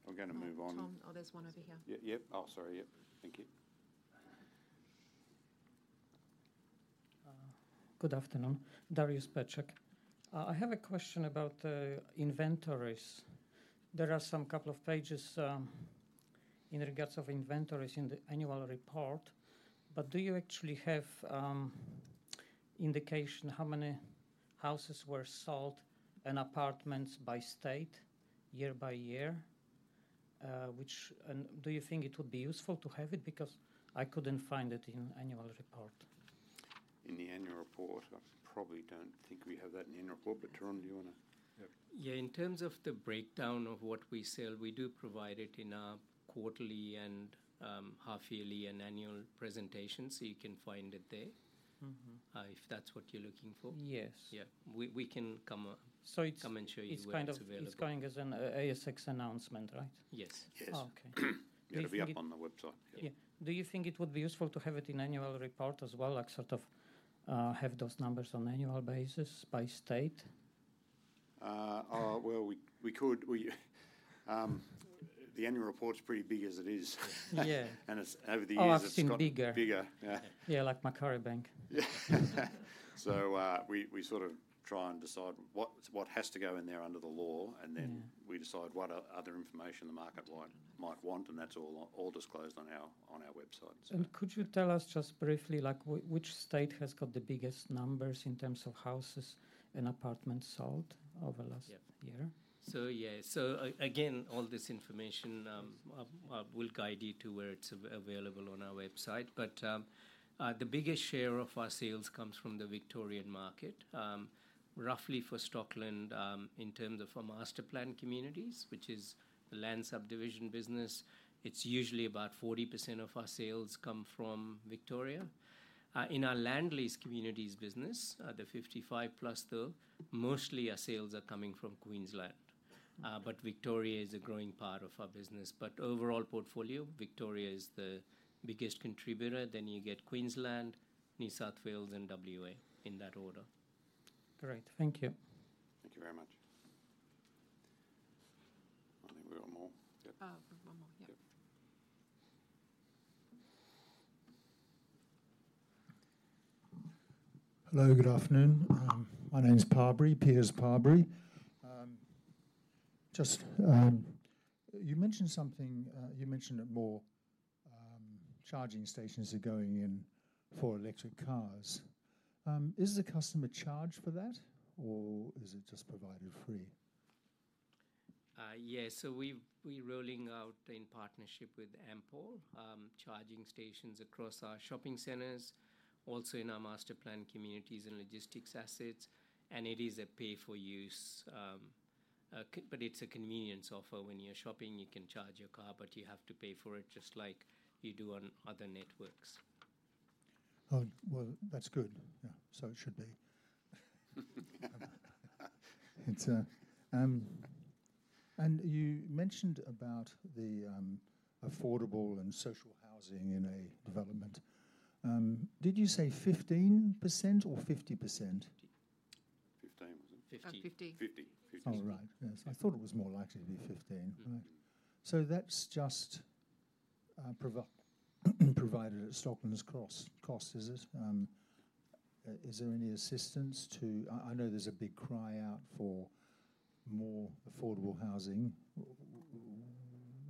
We're gonna move on- Tom. Oh, there's one over here. Yep. Oh, sorry, yep. Thank you. Good afternoon. Dariusz Pietrzak. I have a question about inventories. There are some couple of pages in regards of inventories in the annual report, but do you actually have indication how many houses were sold and apartments by state, year by year? Which and do you think it would be useful to have it? Because I couldn't find it in annual report. In the annual report, I probably don't think we have that in the annual report, but Tarun, do you wanna. Yeah, in terms of the breakdown of what we sell, we do provide it in our quarterly and half-yearly and annual presentation, so you can find it there if that's what you're looking for. Yes. Yeah. We can come and show you where it's available. It's kind of, it's going as an ASX announcement, right? Yes. Yes. Oh, okay. It'll be up on the website. Yeah. Do you think it would be useful to have it in annual report as well, like sort of, have those numbers on annual basis by state? Well, we could. The annual report's pretty big as it is. Yeah. And it's, over the years it's got- Oh, it's getting bigger. Bigger. Yeah. Yeah, like Macquarie Bank. So, we sort of try and decide what has to go in there under the law, and then we decide what other information the market might want, and that's all disclosed on our website, so. Could you tell us just briefly, like which state has got the biggest numbers in terms of houses and apartments sold over the last year? Yeah. Again, all this information, I'll guide you to where it's available on our website. But the biggest share of our sales comes from the Victorian market. Roughly for Stockland, in terms of our masterplanned communities, which is the land subdivision business, it's usually about 40% of our sales come from Victoria. In our land lease communities business, the 55+ though, mostly our sales are coming from Queensland. But Victoria is a growing part of our business. But overall portfolio, Victoria is the biggest contributor, then you get Queensland, New South Wales, and WA, in that order. Great, thank you. Thank you very much. I think we got more. Yep. One more, yep. Yep. Hello, good afternoon. My name is Parbury, Piers Parbury. Just, you mentioned something, you mentioned that more charging stations are going in for electric cars. Is the customer charged for that, or is it just provided free? Yes, so we're rolling out in partnership with Ampol, charging stations across our shopping centers, also in our masterplanned communities and logistics assets, and it is a pay-for-use, but it's a convenience offer. When you're shopping, you can charge your car, but you have to pay for it just like you do on other networks. Oh, well, that's good. Yeah, so it should be. It's... And you mentioned about the affordable and social housing in a development. Did you say 15% or 50%? 50%, was it? 50%. 50%. 50%. Oh, right. Yes, I thought it was more likely to be 15%. Right. So that's just provided at Stockland's cost, is it? Is there any assistance? I know there's a big cry out for more affordable housing,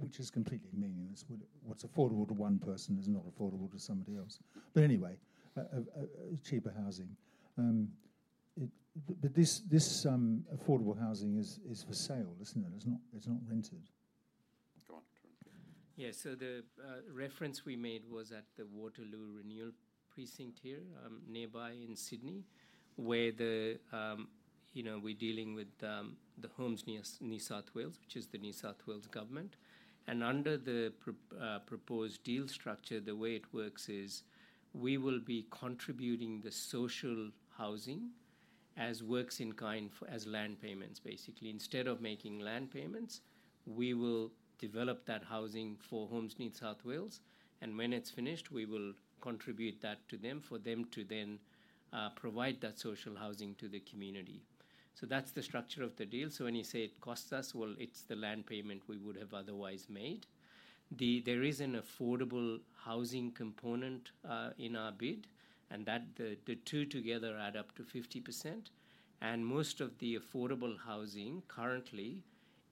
which is completely meaningless. What's affordable to one person is not affordable to somebody else. But anyway, cheaper housing. But this affordable housing is for sale, isn't it? It's not rented. Go on, Tarun. Yeah. So the reference we made was at the Waterloo Renewal precinct here, nearby in Sydney, where the, you know, we're dealing with the Homes New South Wales, which is the New South Wales Government. And under the proposed deal structure, the way it works is, we will be contributing the social housing as works in kind as land payments, basically. Instead of making land payments, we will develop that housing for Homes New South Wales, and when it's finished, we will contribute that to them, for them to then provide that social housing to the community. So that's the structure of the deal. So when you say it costs us, well, it's the land payment we would have otherwise made. There is an affordable housing component in our bid, and that, the two together add up to 50%. And most of the affordable housing currently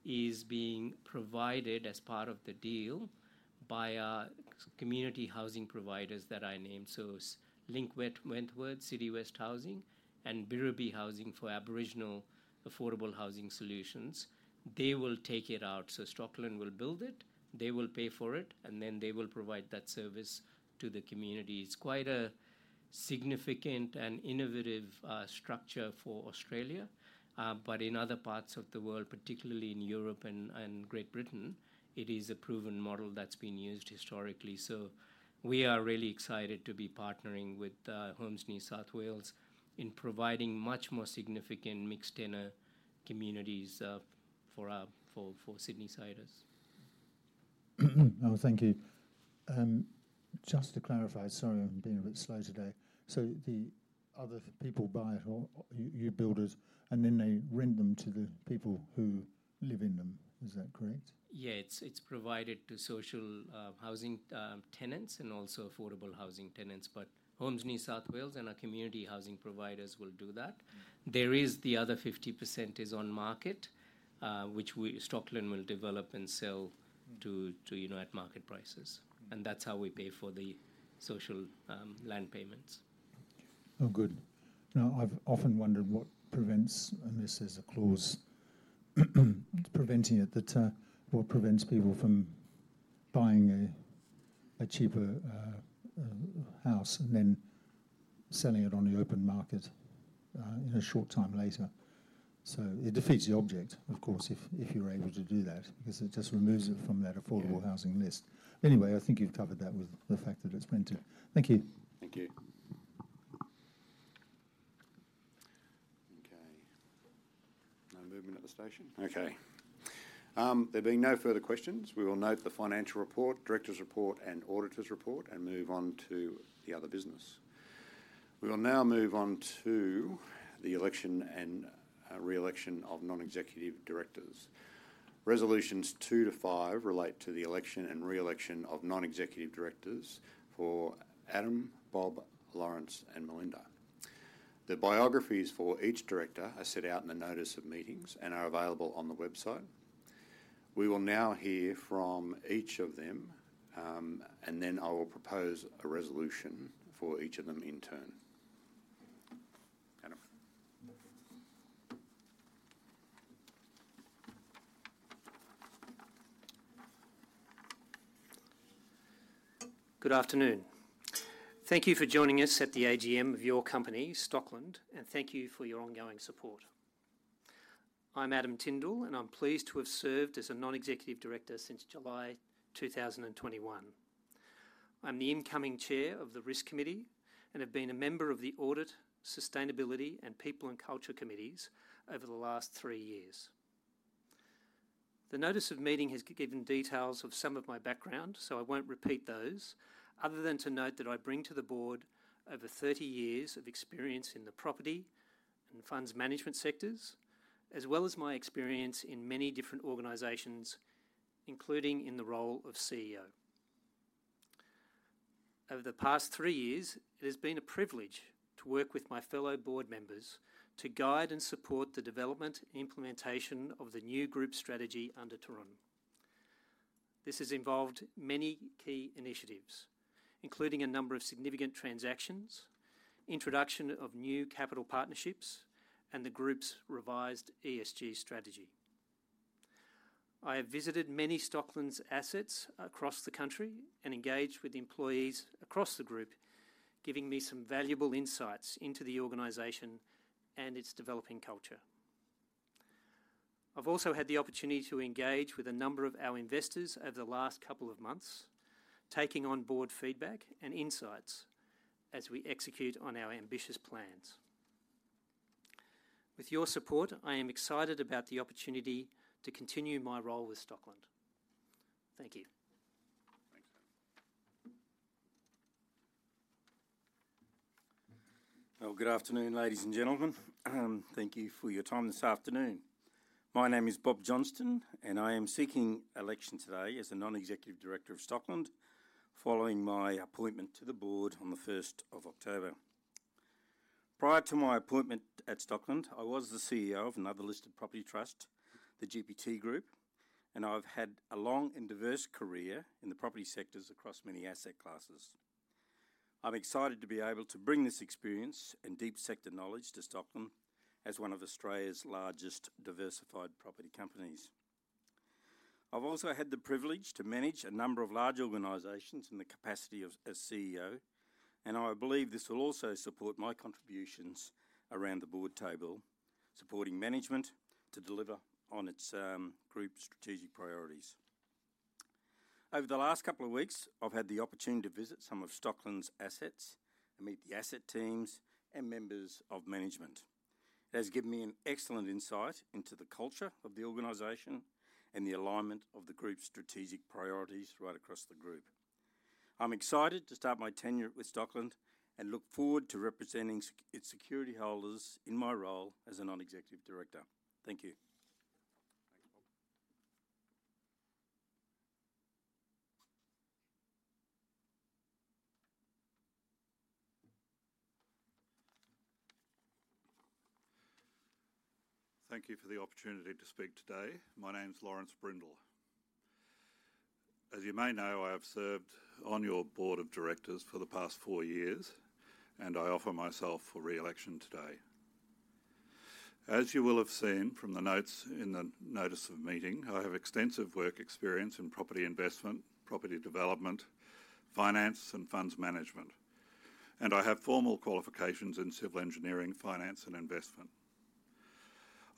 is being provided as part of the deal by our community housing providers that I named. So Link Wentworth, City West Housing, and Birribee Housing for Aboriginal affordable housing solutions. They will take it out. So Stockland will build it, they will pay for it, and then they will provide that service to the community. It's quite a significant and innovative structure for Australia, but in other parts of the world, particularly in Europe and Great Britain, it is a proven model that's been used historically. So we are really excited to be partnering with Homes New South Wales in providing much more significant mixed tenure communities for Sydneysiders. Thank you. Just to clarify, sorry, I'm being a bit slow today, so the other people buy it or you build it, and then they rent them to the people who live in them. Is that correct? Yeah, it's provided to social housing tenants and also affordable housing tenants. But Homes New South Wales and our community housing providers will do that. There is, the other 50% is on market, which we, Stockland will develop and sell to you know at market prices. And that's how we pay for the social, land payments. Oh, good. Now, I've often wondered what prevents, unless there's a clause preventing it, what prevents people from buying a cheaper house and then selling it on the open market in a short time later. So it defeats the object, of course, if you were able to do that, because it just removes it from that affordable housing list. Anyway, I think you've covered that with the fact that it's rented. Thank you. Thank you. Okay, no movement at the station. Okay. There being no further questions, we will note the financial report, directors' report, and auditors' report, and move on to the other business. We will now move on to the election and re-election of non-executive directors. Resolutions 2-5 relate to the election and re-election of non-executive directors for Adam, Bob, Laurence, and Melinda. The biographies for each director are set out in the Notice of Meetings and are available on the website. We will now hear from each of them, and then I will propose a resolution for each of them in turn. Adam. Good afternoon. Thank you for joining us at the AGM of your company, Stockland, and thank you for your ongoing support. I'm Adam Tindall, and I'm pleased to have served as a non-executive director since July 2021. I'm the incoming chair of the Risk Committee and have been a member of the Audit, Sustainability, and People and Culture committees over the last three years. The Notice of Meeting has given details of some of my background, so I won't repeat those, other than to note that I bring to the board over 30 years of experience in the property and funds management sectors, as well as my experience in many different organizations, including in the role of CEO. Over the past three years, it has been a privilege to work with my fellow board members to guide and support the development and implementation of the new group strategy under Tarun. This has involved many key initiatives, including a number of significant transactions, introduction of new capital partnerships, and the group's revised ESG strategy. I have visited many Stockland's assets across the country and engaged with employees across the group, giving me some valuable insights into the organization and its developing culture. I've also had the opportunity to engage with a number of our investors over the last couple of months, taking on board feedback and insights as we execute on our ambitious plans. With your support, I am excited about the opportunity to continue my role with Stockland. Thank you. Thanks, Adam. Well, good afternoon, ladies and gentlemen. Thank you for your time this afternoon. My name is Bob Johnston, and I am seeking election today as a non-executive director of Stockland, following my appointment to the board on the first of October. Prior to my appointment at Stockland, I was the CEO of another listed property trust, the GPT Group, and I've had a long and diverse career in the property sectors across many asset classes. I'm excited to be able to bring this experience and deep sector knowledge to Stockland as one of Australia's largest diversified property companies. I've also had the privilege to manage a number of large organizations in the capacity of as CEO, and I believe this will also support my contributions around the board table, supporting management to deliver on its group strategic priorities. Over the last couple of weeks, I've had the opportunity to visit some of Stockland's assets and meet the asset teams and members of management. It has given me an excellent insight into the culture of the organization and the alignment of the group's strategic priorities right across the group. I'm excited to start my tenure with Stockland and look forward to representing its security holders in my role as a non-executive director. Thank you. Thanks, Bob. Thank you for the opportunity to speak today. My name's Laurence Brindle. As you may know, I have served on your board of directors for the past four years, and I offer myself for re-election today. As you will have seen from the notes in the Notice of Meeting, I have extensive work experience in property investment, property development, finance, and funds management, and I have formal qualifications in civil engineering, finance, and investment.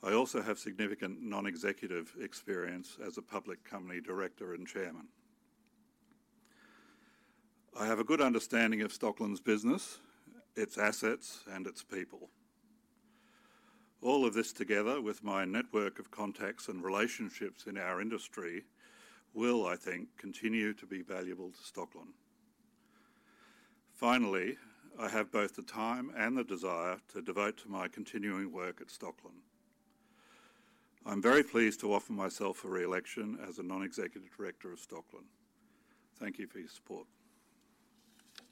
I also have significant non-executive experience as a public company director and chairman. I have a good understanding of Stockland's business, its assets, and its people. All of this together, with my network of contacts and relationships in our industry, will, I think, continue to be valuable to Stockland. Finally, I have both the time and the desire to devote to my continuing work at Stockland. I'm very pleased to offer myself for re-election as a Non-Executive Director of Stockland. Thank you for your support. Thank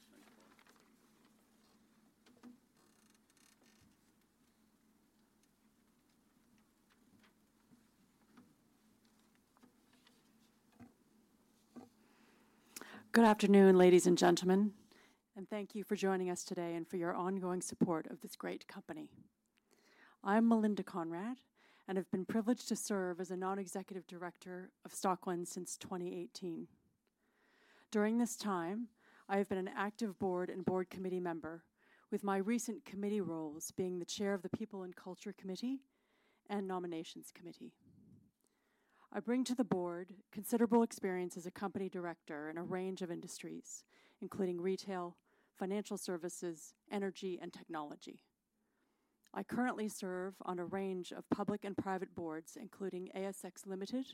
you. Good afternoon, ladies and gentlemen, and thank you for joining us today and for your ongoing support of this great company. I'm Melinda Conrad, and I've been privileged to serve as a non-executive director of Stockland since 2018. During this time, I have been an active board and board committee member, with my recent committee roles being the chair of the People and Culture Committee and Nominations Committee. I bring to the board considerable experience as a company director in a range of industries, including retail, financial services, energy, and technology. I currently serve on a range of public and private boards, including ASX Limited,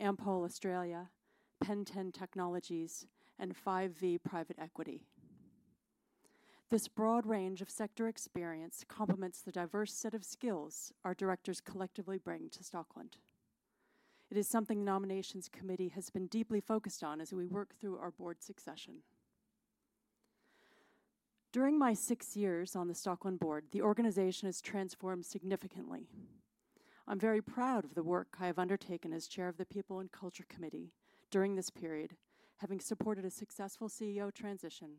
Ampol Australia, Penten Technologies, and Five V Private Equity. This broad range of sector experience complements the diverse set of skills our directors collectively bring to Stockland. It is something the Nominations Committee has been deeply focused on as we work through our board succession. During my six years on the Stockland board, the organization has transformed significantly. I'm very proud of the work I have undertaken as Chair of the People and Culture Committee during this period, having supported a successful CEO transition,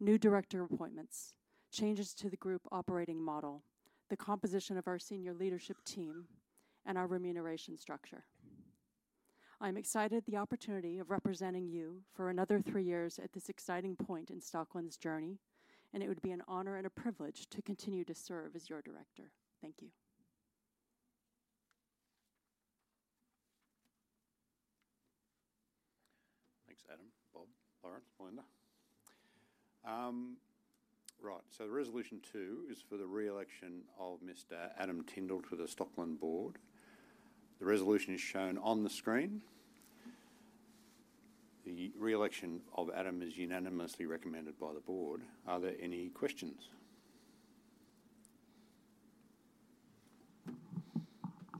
new director appointments, changes to the group operating model, the composition of our senior leadership team, and our remuneration structure. I'm excited at the opportunity of representing you for another three years at this exciting point in Stockland's journey, and it would be an honor and a privilege to continue to serve as your director. Thank you. Thanks, Adam, Bob, Laurence, Melinda. Right, so the resolution two is for the re-election of Mr. Adam Tindall to the Stockland board. The resolution is shown on the screen. The re-election of Adam is unanimously recommended by the board. Are there any questions?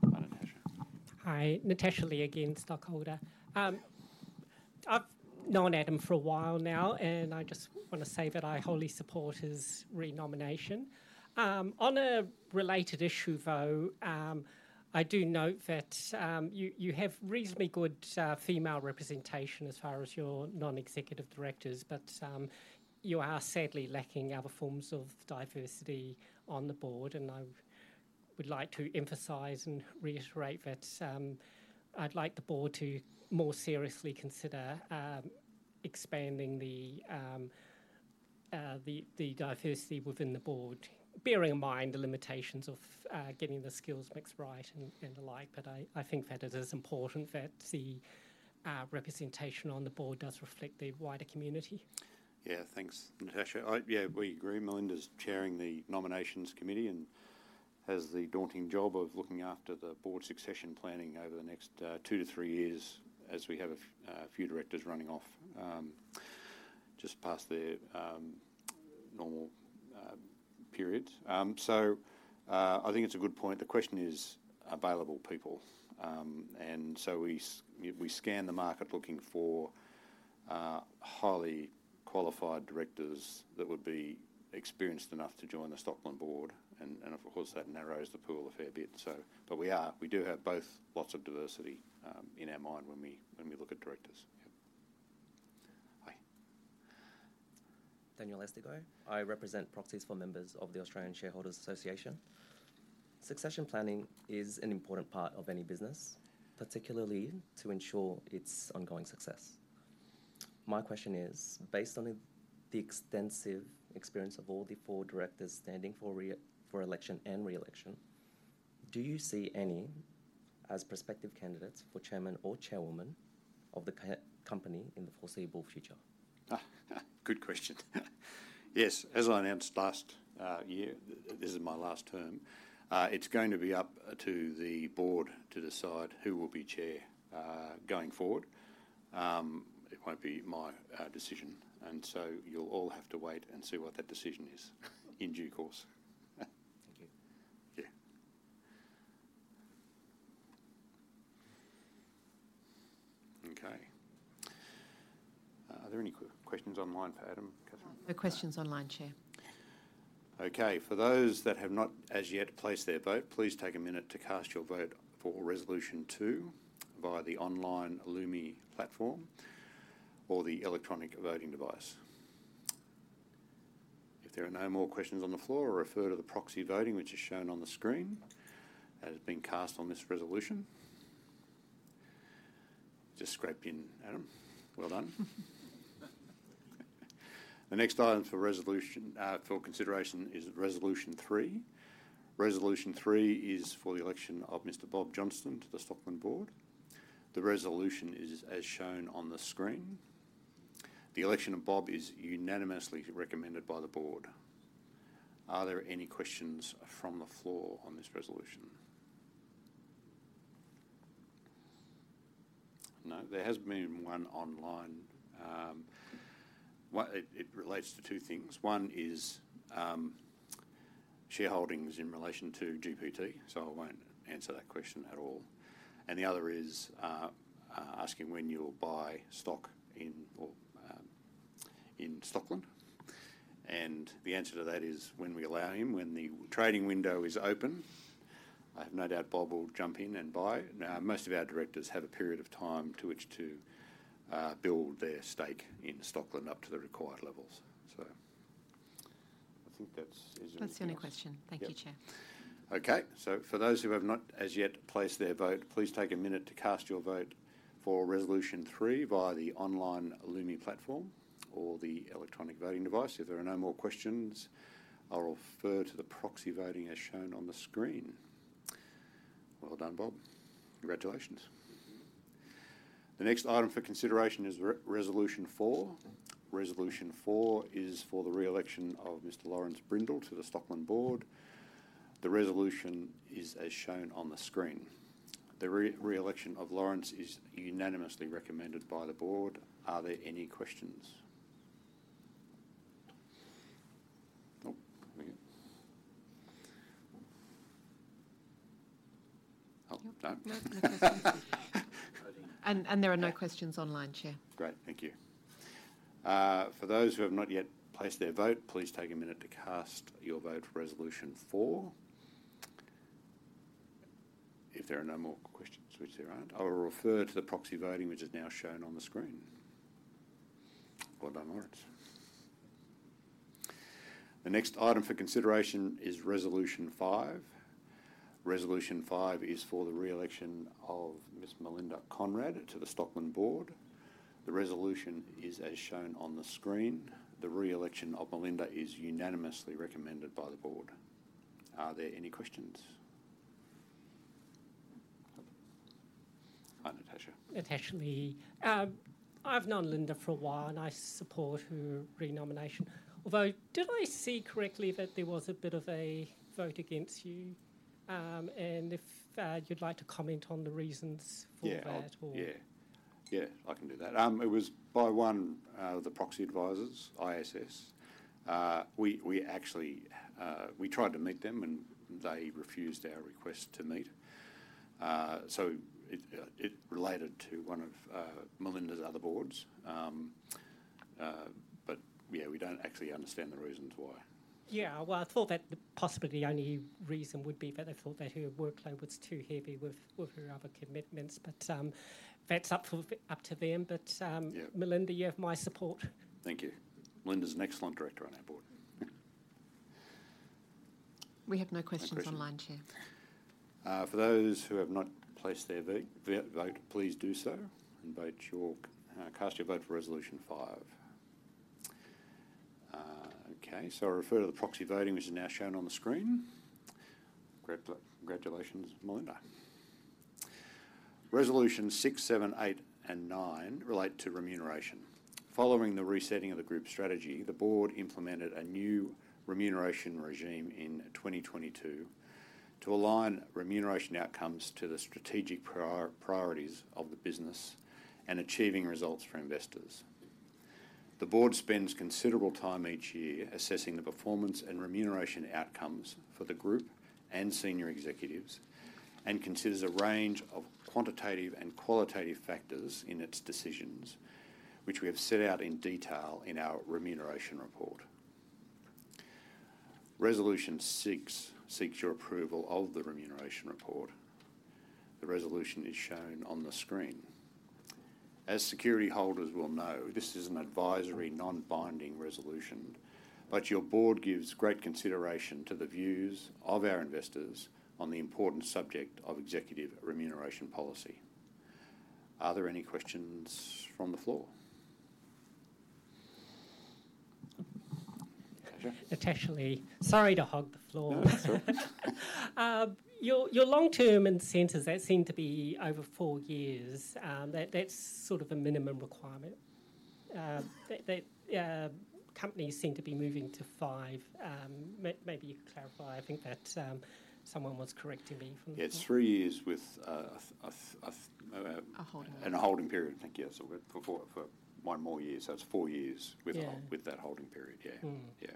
Hi, Natasha. Hi, Natasha Lee again, stockholder. I've known Adam for a while now, and I just wanna say that I wholly support his re-nomination. On a related issue, though, I do note that you have reasonably good female representation as far as your non-executive directors, but you are sadly lacking other forms of diversity on the board, and I would like to emphasize and reiterate that I'd like the board to more seriously consider expanding the diversity within the board. Bearing in mind the limitations of getting the skills mix right and the like, but I think that it is important that the representation on the board does reflect the wider community. Yeah. Thanks, Natasha. Yeah, we agree. Melinda's chairing the Nominations Committee and has the daunting job of looking after the board succession planning over the next two to three years, as we have a few directors running off just past their normal periods. So, I think it's a good point. The question is available people. So we scan the market looking for highly qualified directors that would be experienced enough to join the Stockland board, and of course, that narrows the pool a fair bit, so. But we do have both lots of diversity in our mind when we look at directors. Yeah. Hi. Daniel Estigo. I represent proxies for members of the Australian Shareholders' Association. Succession planning is an important part of any business, particularly to ensure its ongoing success. My question is, based on the extensive experience of all the four directors standing for re-election, do you see any as prospective candidates for chairman or chairwoman of the company in the foreseeable future? Good question. Yes, as I announced last year, this is my last term. It's going to be up to the board to decide who will be chair going forward. It won't be my decision, and so you'll all have to wait and see what that decision is in due course. Thank you. Yeah. Okay. Are there any questions online for Adam, Katherine? No questions online, Chair. Okay, for those that have not as yet placed their vote, please take a minute to cast your vote for Resolution 2 via the online Lumi platform or the electronic voting device. If there are no more questions on the floor, I refer to the proxy voting, which is shown on the screen, that has been cast on this resolution. Just scraped in, Adam. Well done. The next item for resolution for consideration is Resolution 3. Resolution 3 is for the election of Mr. Bob Johnston to the Stockland board. The resolution is as shown on the screen. The election of Bob is unanimously recommended by the board. Are there any questions from the floor on this resolution? No, there has been one online. Well, it relates to two things. One is, shareholdings in relation to GPT, so I won't answer that question at all, and the other is, asking when you'll buy stock in in Stockland, and the answer to that is when we allow him. When the trading window is open, I have no doubt Bob will jump in and buy. Now, most of our directors have a period of time to which to build their stake in Stockland up to the required levels. So I think that's... That's the only question. Thank you, Chair. Okay, so for those who have not as yet placed their vote, please take a minute to cast your vote for Resolution 3 via the online Lumi platform or the electronic voting device. If there are no more questions, I'll refer to the proxy voting as shown on the screen. Well done, Bob. Congratulations. Thank you. The next item for consideration is Resolution 4. Resolution 4 is for the re-election of Mr. Laurence Brindle to the Stockland board. The resolution is as shown on the screen. The re-election of Laurence is unanimously recommended by the board. Are there any questions? Oh, here we go. Oh, done. No, no questions and there are no questions online, Chair. Great, thank you. For those who have not yet placed their vote, please take a minute to cast your vote for Resolution 4. If there are no more questions, which there aren't, I will refer to the proxy voting, which is now shown on the screen. Well done, Laurence. The next item for consideration is Resolution 5. Resolution 5 is for the re-election of Ms. Melinda Conrad to the Stockland board. The resolution is as shown on the screen. The re-election of Melinda is unanimously recommended by the board. Are there any questions? Hi, Natasha. Natasha Lee. I've known Melinda for a while, and I support her re-nomination. Although, did I see correctly that there was a bit of a vote against you? And if you'd like to comment on the reasons for that or. Yeah, I'll... Yeah. Yeah, I can do that. It was by one of the proxy advisors, ISS. We actually tried to meet them, and they refused our request to meet. So it related to one of Melinda's other boards. But yeah, we don't actually understand the reasons why. Yeah, well, I thought that possibly the only reason would be that they thought that her workload was too heavy with her other commitments, but that's up to them. Yeah. But, Melinda, you have my support. Thank you. Melinda's an excellent director on our board. We have no questions online, Chair. For those who have not placed their vote, please do so and cast your vote for Resolution 5. Okay, so I refer to the proxy voting, which is now shown on the screen. Congratulations, Melinda. Resolution 6, 7, 8, and 9 relate to remuneration. Following the resetting of the group strategy, the board implemented a new remuneration regime in 2022 to align remuneration outcomes to the strategic priorities of the business and achieving results for investors. The board spends considerable time each year assessing the performance and remuneration outcomes for the group and senior executives, and considers a range of quantitative and qualitative factors in its decisions, which we have set out in detail in our Remuneration Report. Resolution six seeks your approval of the Remuneration Report. The resolution is shown on the screen. As security holders will know, this is an advisory, non-binding resolution, but your board gives great consideration to the views of our investors on the important subject of executive remuneration policy. Are there any questions from the floor? Natasha? Natasha Lee. Sorry to hog the floor. No, that's all right. Your long-term incentives that seem to be over four years. That's sort of a minimum requirement. Companies seem to be moving to five. Maybe you could clarify. I think that someone was correcting me from the floor. Yeah, it's three years with, A holding period. And a holding period, I think, yeah, so we're for four, for one more year, so it's four years with- Yeah With that holding period. Yeah.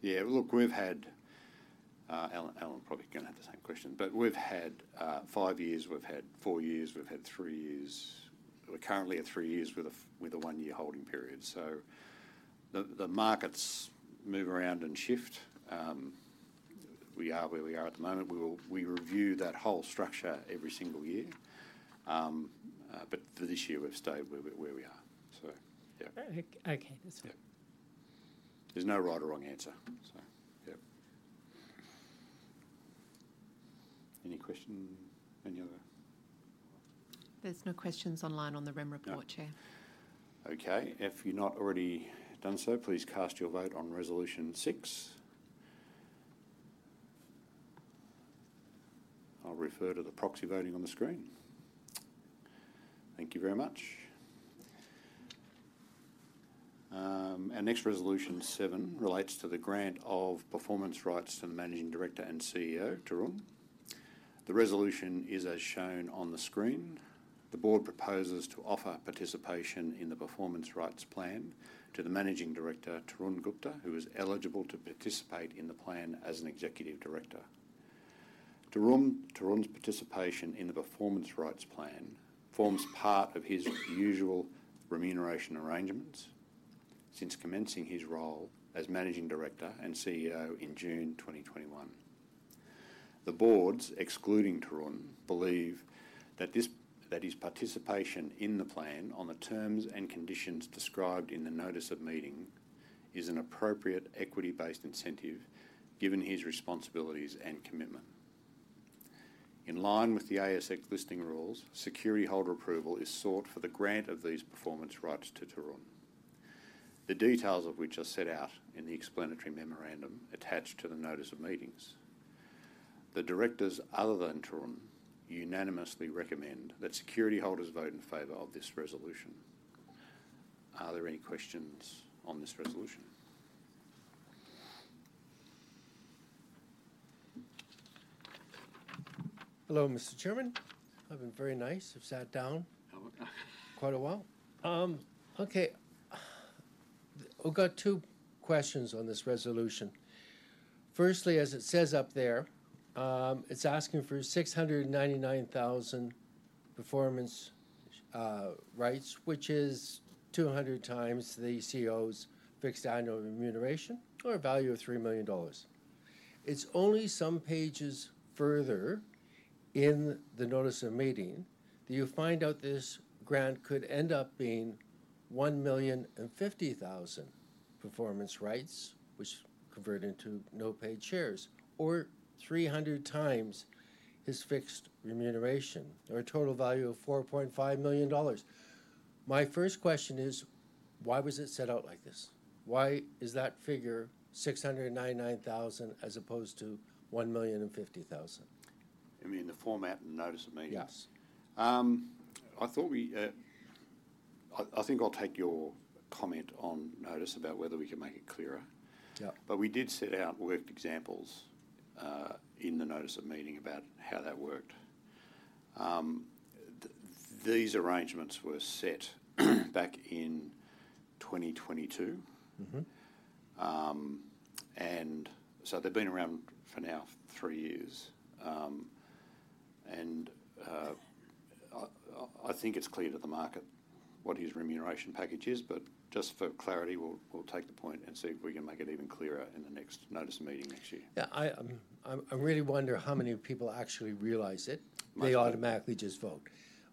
Yeah, look, we've had, Allan, Allan probably gonna have the same question, but we've had, five years, we've had four years, we've had three years. We're currently at three years with a, with a one-year holding period, so the, the markets move around and shift. We are where we are at the moment. We will- we review that whole structure every single year. But for this year, we've stayed where we, where we are, so yeah. Okay, that's fine. Yeah. There's no right or wrong answer, so yeah. Any question, any other? There's no questions online at the moment, Chair. No. Okay, if you've not already done so, please cast your vote on Resolution 6. I'll refer to the proxy voting on the screen. Thank you very much. Our next Resolution 7 relates to the grant of performance rights to Managing Director and CEO, Tarun. The resolution is as shown on the screen. The Board proposes to offer participation in the performance rights plan to the Managing Director, Tarun Gupta, who is eligible to participate in the plan as an executive director. Tarun, Tarun's participation in the performance rights plan forms part of his usual remuneration arrangements since commencing his role as managing director and CEO in June 2021. The Board, excluding Tarun, believe that his participation in the plan on the terms and conditions described in the Notice of Meeting is an appropriate equity-based incentive, given his responsibilities and commitment. In line with the ASX listing rules, security holder approval is sought for the grant of these performance rights to Tarun, the details of which are set out in the explanatory memorandum attached to the Notice of Meetings. The directors, other than Tarun, unanimously recommend that security holders vote in favor of this resolution. Are there any questions on this resolution? Hello, Mr. Chairman. I've been very nice. I've sat down quite a while. Okay, I've got two questions on this resolution. Firstly, as it says up there, it's asking for 699,000 performance rights, which is 200x the CEO's fixed annual remuneration, or a value of 3 million dollars. It's only some pages further in the Notice of Meeting that you find out this grant could end up being 1,050,000 performance rights, which convert into fully paid shares, or 300x his fixed remuneration, or a total value of 4.5 million dollars. My first question is: why was it set out like this? Why is that figure 699,000 as opposed to 1,050,000? You mean the format in the Notice of Meetings? Yeah. I think I'll take your comment on notice about whether we can make it clearer. Yeah. But we did set out worked examples in the Notice of Meeting about how that worked. These arrangements were set back in 2022. So they've been around for now three years. I think it's clear to the market what his remuneration package is, but just for clarity, we'll take the point and see if we can make it even clearer in the next Notice of Meeting next year. Yeah, I really wonder how many people actually realize it. They automatically just vote,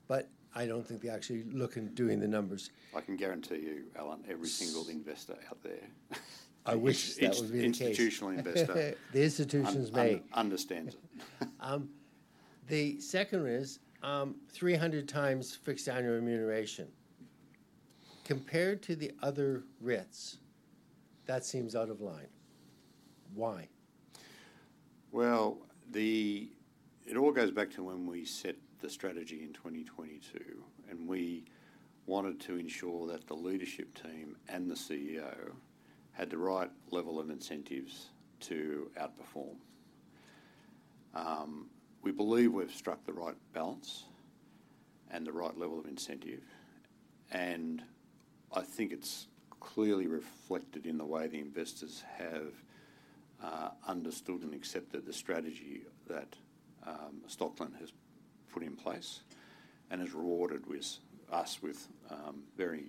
but I don't think they actually look and doing the numbers. I can guarantee you, Allan, every single investor out there. I wish that would be the case. Each institutional investor. The institutions may Understands it. The second is, three hundred times fixed annual remuneration. Compared to the other REITs, that seems out of line. Why? It all goes back to when we set the strategy in 2022, and we wanted to ensure that the leadership team and the CEO had the right level of incentives to outperform. We believe we've struck the right balance and the right level of incentive, and I think it's clearly reflected in the way the investors have understood and accepted the strategy that Stockland has put in place, and has rewarded with us, with very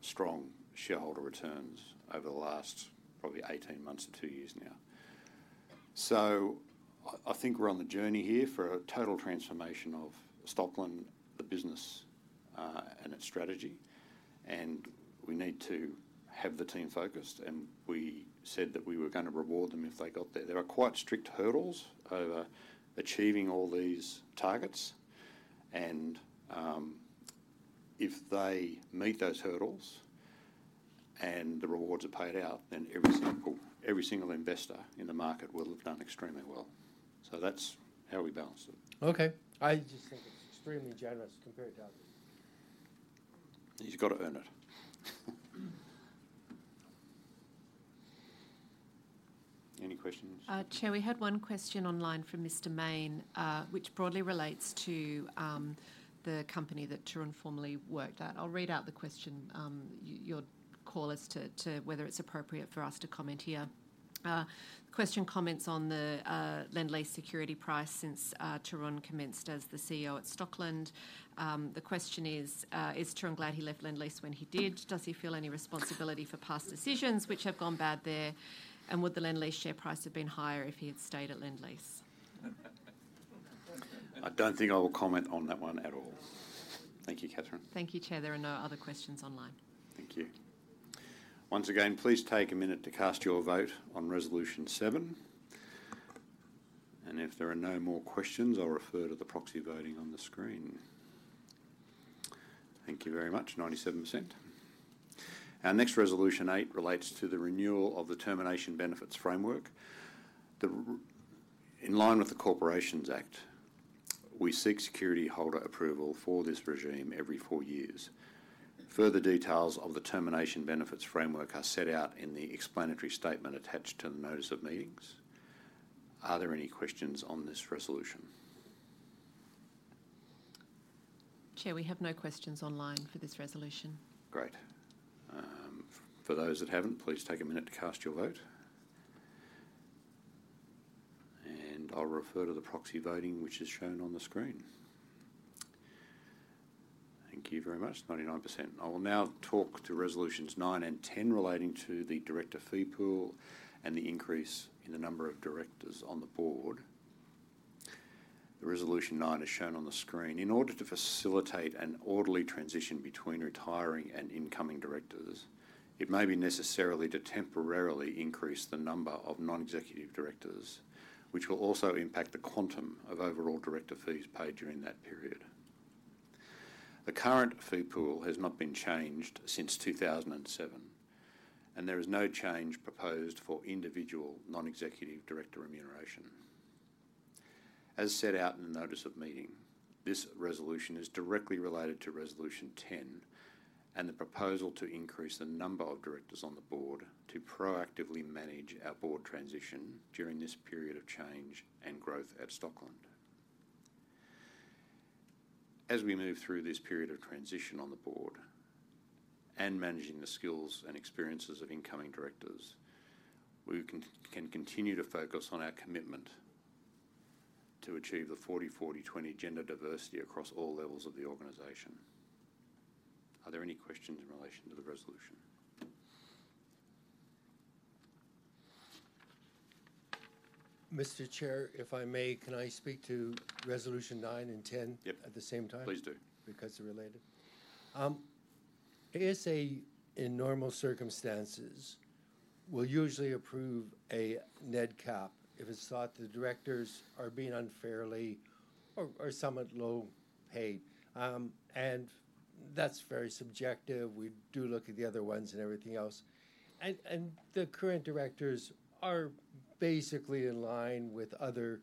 strong shareholder returns over the last probably 18 months to two years now. I think we're on the journey here for a total transformation of Stockland, the business, and its strategy, and we need to have the team focused, and we said that we were gonna reward them if they got there. There are quite strict hurdles over achieving all these targets, and, if they meet those hurdles, and the rewards are paid out, then every single investor in the market will have done extremely well. So that's how we balance it. Okay. I just think it's extremely generous compared to others. He's gotta earn it. Any questions? Chair, we had one question online from Mr. Mayne, which broadly relates to the company that Tarun formerly worked at. I'll read out the question. You'll call as to whether it's appropriate for us to comment here. Question comments on the Lendlease security price since Tarun commenced as the CEO at Stockland. The question is, "Is Tarun glad he left Lendlease when he did? Does he feel any responsibility for past decisions which have gone bad there, and would the Lendlease share price have been higher if he had stayed at Lendlease? I don't think I will comment on that one at all. Thank you, Katherine. Thank you, Chair. There are no other questions online. Thank you. Once again, please take a minute to cast your vote on Resolution 7, and if there are no more questions, I'll refer to the proxy voting on the screen. Thank you very much, 97%. Our next Resolution 8 relates to the renewal of the termination benefits framework. In line with the Corporations Act, we seek security holder approval for this regime every four years. Further details of the termination benefits framework are set out in the explanatory statement attached to the Notice of Meetings. Are there any questions on this resolution? Chair, we have no questions online for this resolution. Great. For those that haven't, please take a minute to cast your vote. And I'll refer to the proxy voting, which is shown on the screen. Thank you very much, 99%. I will now talk to Resolutions 9 and 10 relating to the director fee pool and the increase in the number of directors on the board. The Resolution 9 is shown on the screen. In order to facilitate an orderly transition between retiring and incoming directors, it may be necessary to temporarily increase the number of non-executive directors, which will also impact the quantum of overall director fees paid during that period. The current fee pool has not been changed since 2007, and there is no change proposed for individual non-executive director remuneration. As set out in the Notice of Meeting, this resolution is directly related to Resolution 10, and the proposal to increase the number of directors on the board to proactively manage our board transition during this period of change and growth at Stockland. As we move through this period of transition on the board, and managing the skills and experiences of incoming directors, we can continue to focus on our commitment to achieve the 40-40-20 gender diversity across all levels of the organization. Are there any questions in relation to the resolution? Mr. Chair, if I may, can I speak to Resolution 9 and 10 at the same time? Please do. Because they're related. ASA, in normal circumstances, will usually approve a NED cap if it's thought the directors are being unfairly or somewhat low paid. And that's very subjective. We do look at the other ones and everything else, and the current directors are basically in line with other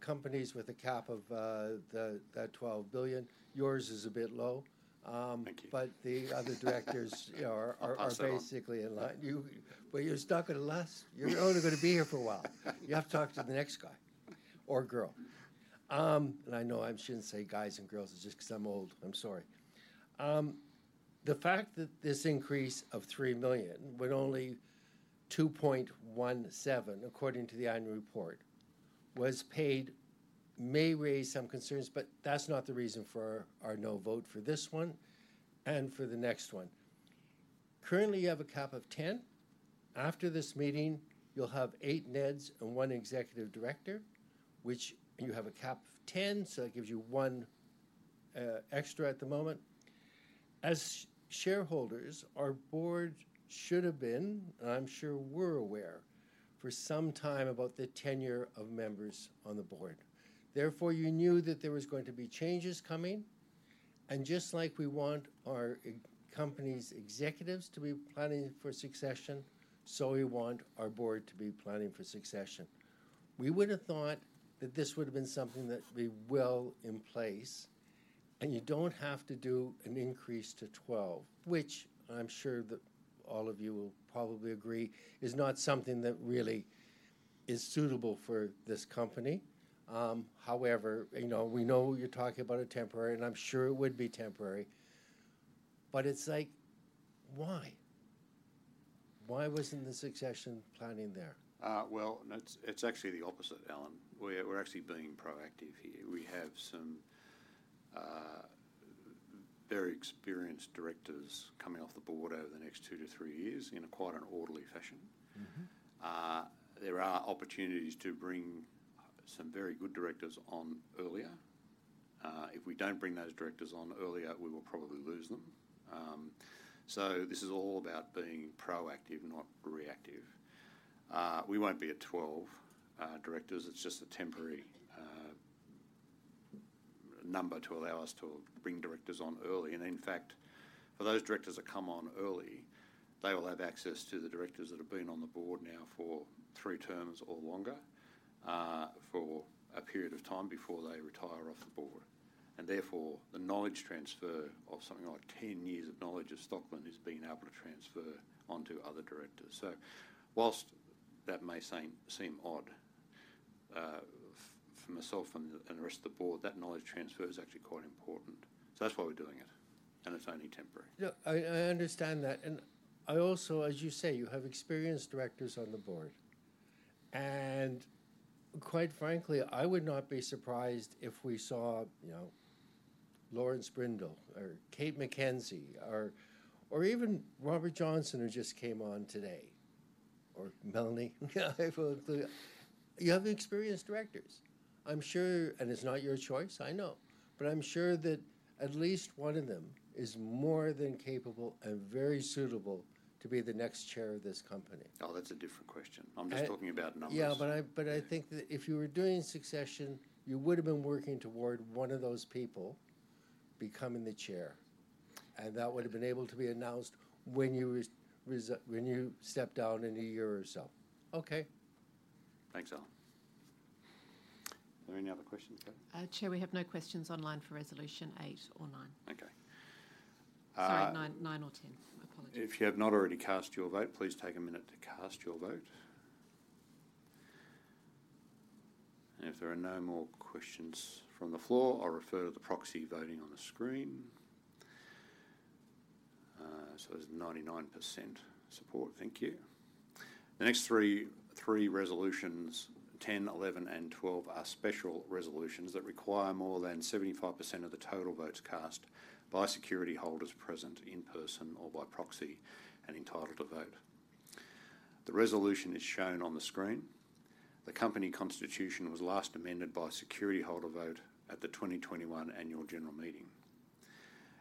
companies with a cap of that 12 billion. Yours is a bit low. Thank you But the other directors are- I'll pass that on. Are basically in line. You, well, you're stuck with us. You're only gonna be here for a while. You have to talk to the next guy or girl, and I know I shouldn't say guys and girls, it's just 'cause I'm old, I'm sorry. The fact that this increase of three million, with only two point one seven, according to the annual report, was paid, may raise some concerns, but that's not the reason for our no vote for this one and for the next one. Currently, you have a cap of 10. After this meeting, you'll have eight NEDs and one executive director, which you have a cap of 10, so that gives you one extra at the moment. As shareholders, our board should have been, and I'm sure we're aware, for some time about the tenure of members on the board. Therefore, you knew that there was going to be changes coming, and just like we want our company's executives to be planning for succession, so we want our board to be planning for succession. We would have thought that this would have been something that would be well in place, and you don't have to do an increase to 12, which I'm sure that all of you will probably agree is not something that really is suitable for this company. However, you know, we know you're talking about a temporary, and I'm sure it would be temporary, but it's like, why? Why wasn't the succession planning there? Well, that's actually the opposite, Allan. We're actually being proactive here. We have some very experienced directors coming off the board over the next two to three years in quite an orderly fashion. There are opportunities to bring some very good directors on earlier. If we don't bring those directors on earlier, we will probably lose them. So this is all about being proactive, not reactive. We won't be at twelve directors. It's just a temporary number to allow us to bring directors on early. In fact, for those directors that come on early, they will have access to the directors that have been on the board now for three terms or longer, for a period of time before they retire off the board. And therefore, the knowledge transfer of something like 10 years of knowledge of Stockland is being able to transfer onto other directors. So whilst that may seem odd, for myself and the rest of the board, that knowledge transfer is actually quite important. So that's why we're doing it, and it's only temporary. Yeah, I understand that, and I also, as you say, you have experienced directors on the board, and quite frankly, I would not be surprised if we saw, you know, Laurence Brindle or Kate McKenzie or even Robert Johnston, who just came on today, or Melinda. You have experienced directors. I'm sure, and it's not your choice, I know, but I'm sure that at least one of them is more than capable and very suitable to be the next chair of this company. Oh, that's a different question. I'm just talking about numbers. Yeah, but I think that if you were doing succession, you would have been working toward one of those people becoming the chair, and that would have been able to be announced when you step down in a year or so. Okay. Thanks, Allan. Are there any other questions? Chair, we have no questions online for Resolution 8 or 9. Okay. Sorry, 9 or 10. My apologies. If you have not already cast your vote, please take a minute to cast your vote. If there are no more questions from the floor, I'll refer to the proxy voting on the screen. So, there's 99% support. Thank you. The next three resolutions, 10, 11, and 12 are special resolutions that require more than 75% of the total votes cast by security holders present in person or by proxy and entitled to vote. The resolution is shown on the screen. The company constitution was last amended by security holder vote at the 2021 annual general meeting.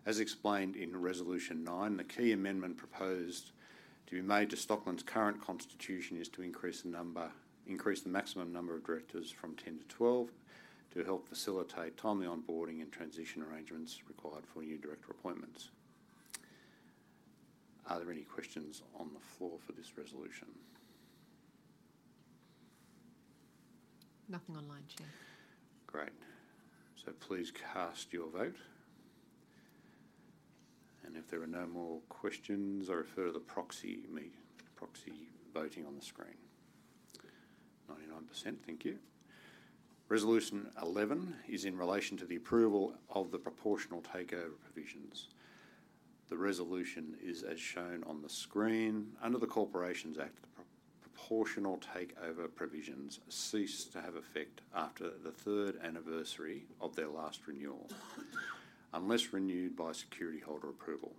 As explained in Resolution 9, the key amendment proposed to be made to Stockland's current constitution is to increase the maximum number of directors from 10 to 12, to help facilitate timely onboarding and transition arrangements required for new director appointments. Are there any questions on the floor for this resolution? Nothing online, Chair. Great. So please cast your vote. And if there are no more questions, I refer to the proxy voting on the screen. 99%. Thank you. Resolution 11 is in relation to the approval of the proportional takeover provisions. The resolution is as shown on the screen. Under the Corporations Act, the proportional takeover provisions cease to have effect after the third anniversary of their last renewal, unless renewed by security holder approval.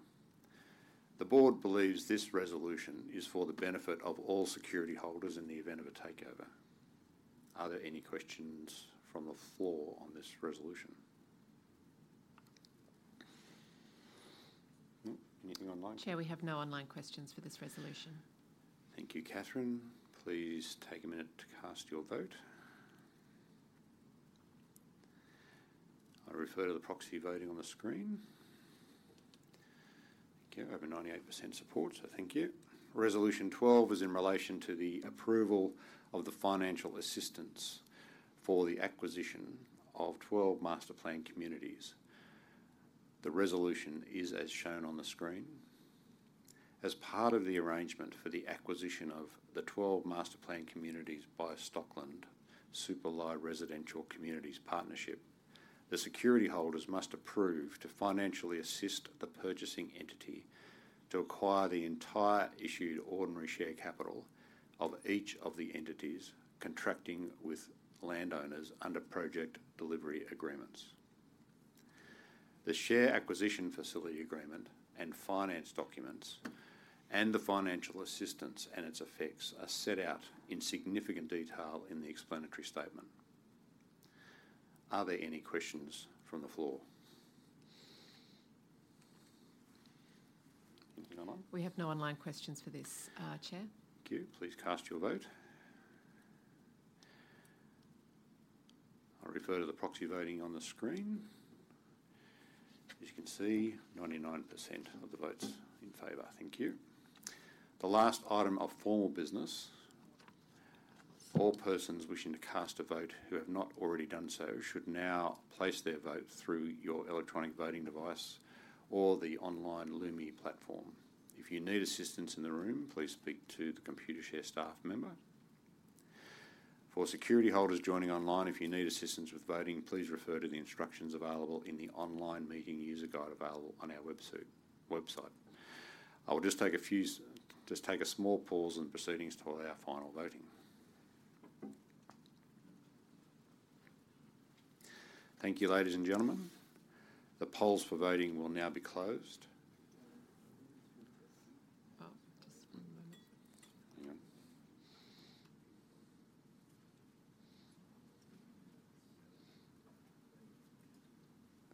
The board believes this resolution is for the benefit of all security holders in the event of a takeover. Are there any questions from the floor on this resolution? No? Anything online? Chair, we have no online questions for this resolution. Thank you, Katherine. Please take a minute to cast your vote. I refer to the proxy voting on the screen. Okay, over 98% support, so thank you. Resolution 12 is in relation to the approval of the financial assistance for the acquisition of 12 masterplanned communities. The resolution is as shown on the screen. As part of the arrangement for the acquisition of the 12 masterplanned communities by Stockland Supalai Residential Communities Partnership, the security holders must approve to financially assist the purchasing entity to acquire the entire issued ordinary share capital of each of the entities contracting with landowners under project delivery agreements. The share acquisition facility agreement and finance documents, and the financial assistance and its effects are set out in significant detail in the explanatory statement. Are there any questions from the floor? Anything online? We have no online questions for this, Chair. Thank you. Please cast your vote. I'll refer to the proxy voting on the screen. As you can see, 99% of the votes in favor. Thank you. The last item of formal business, all persons wishing to cast a vote who have not already done so should now place their vote through your electronic voting device or the online Lumi platform. If you need assistance in the room, please speak to the Computershare staff member. For security holders joining online, if you need assistance with voting, please refer to the instructions available in the online meeting user guide available on our website. I will just take a small pause in proceedings to allow final voting. Thank you, ladies and gentlemen. The polls for voting will now be closed. Oh, just one moment. Hang on.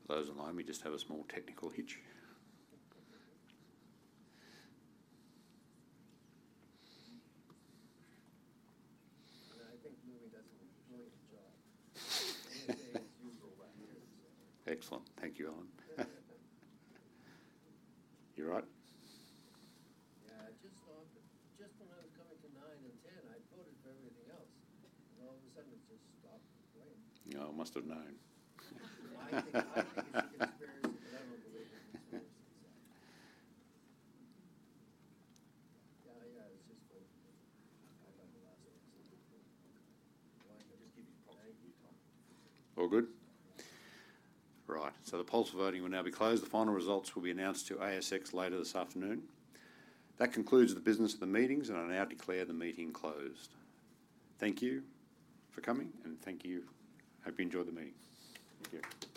For those online, we just have a small technical hitch. I think Lumi does an excellent job. As usual, year by year. Excellent. Thank you, Allan. You all right? Yeah, I just thought that just when I was coming to 9 and 10, I voted for everything else, and all of a sudden, it just stopped. Right? Yeah, I must have known. I think it's a conspiracy, but I don't believe in conspiracies, so... Yeah, yeah, it's just funny. I got the last. I'll just give you a few time. All good? Right. So the polls for voting will now be closed. The final results will be announced to ASX later this afternoon. That concludes the business of the meetings, and I now declare the meeting closed. Thank you for coming, and thank you. Hope you enjoyed the meeting. Thank you.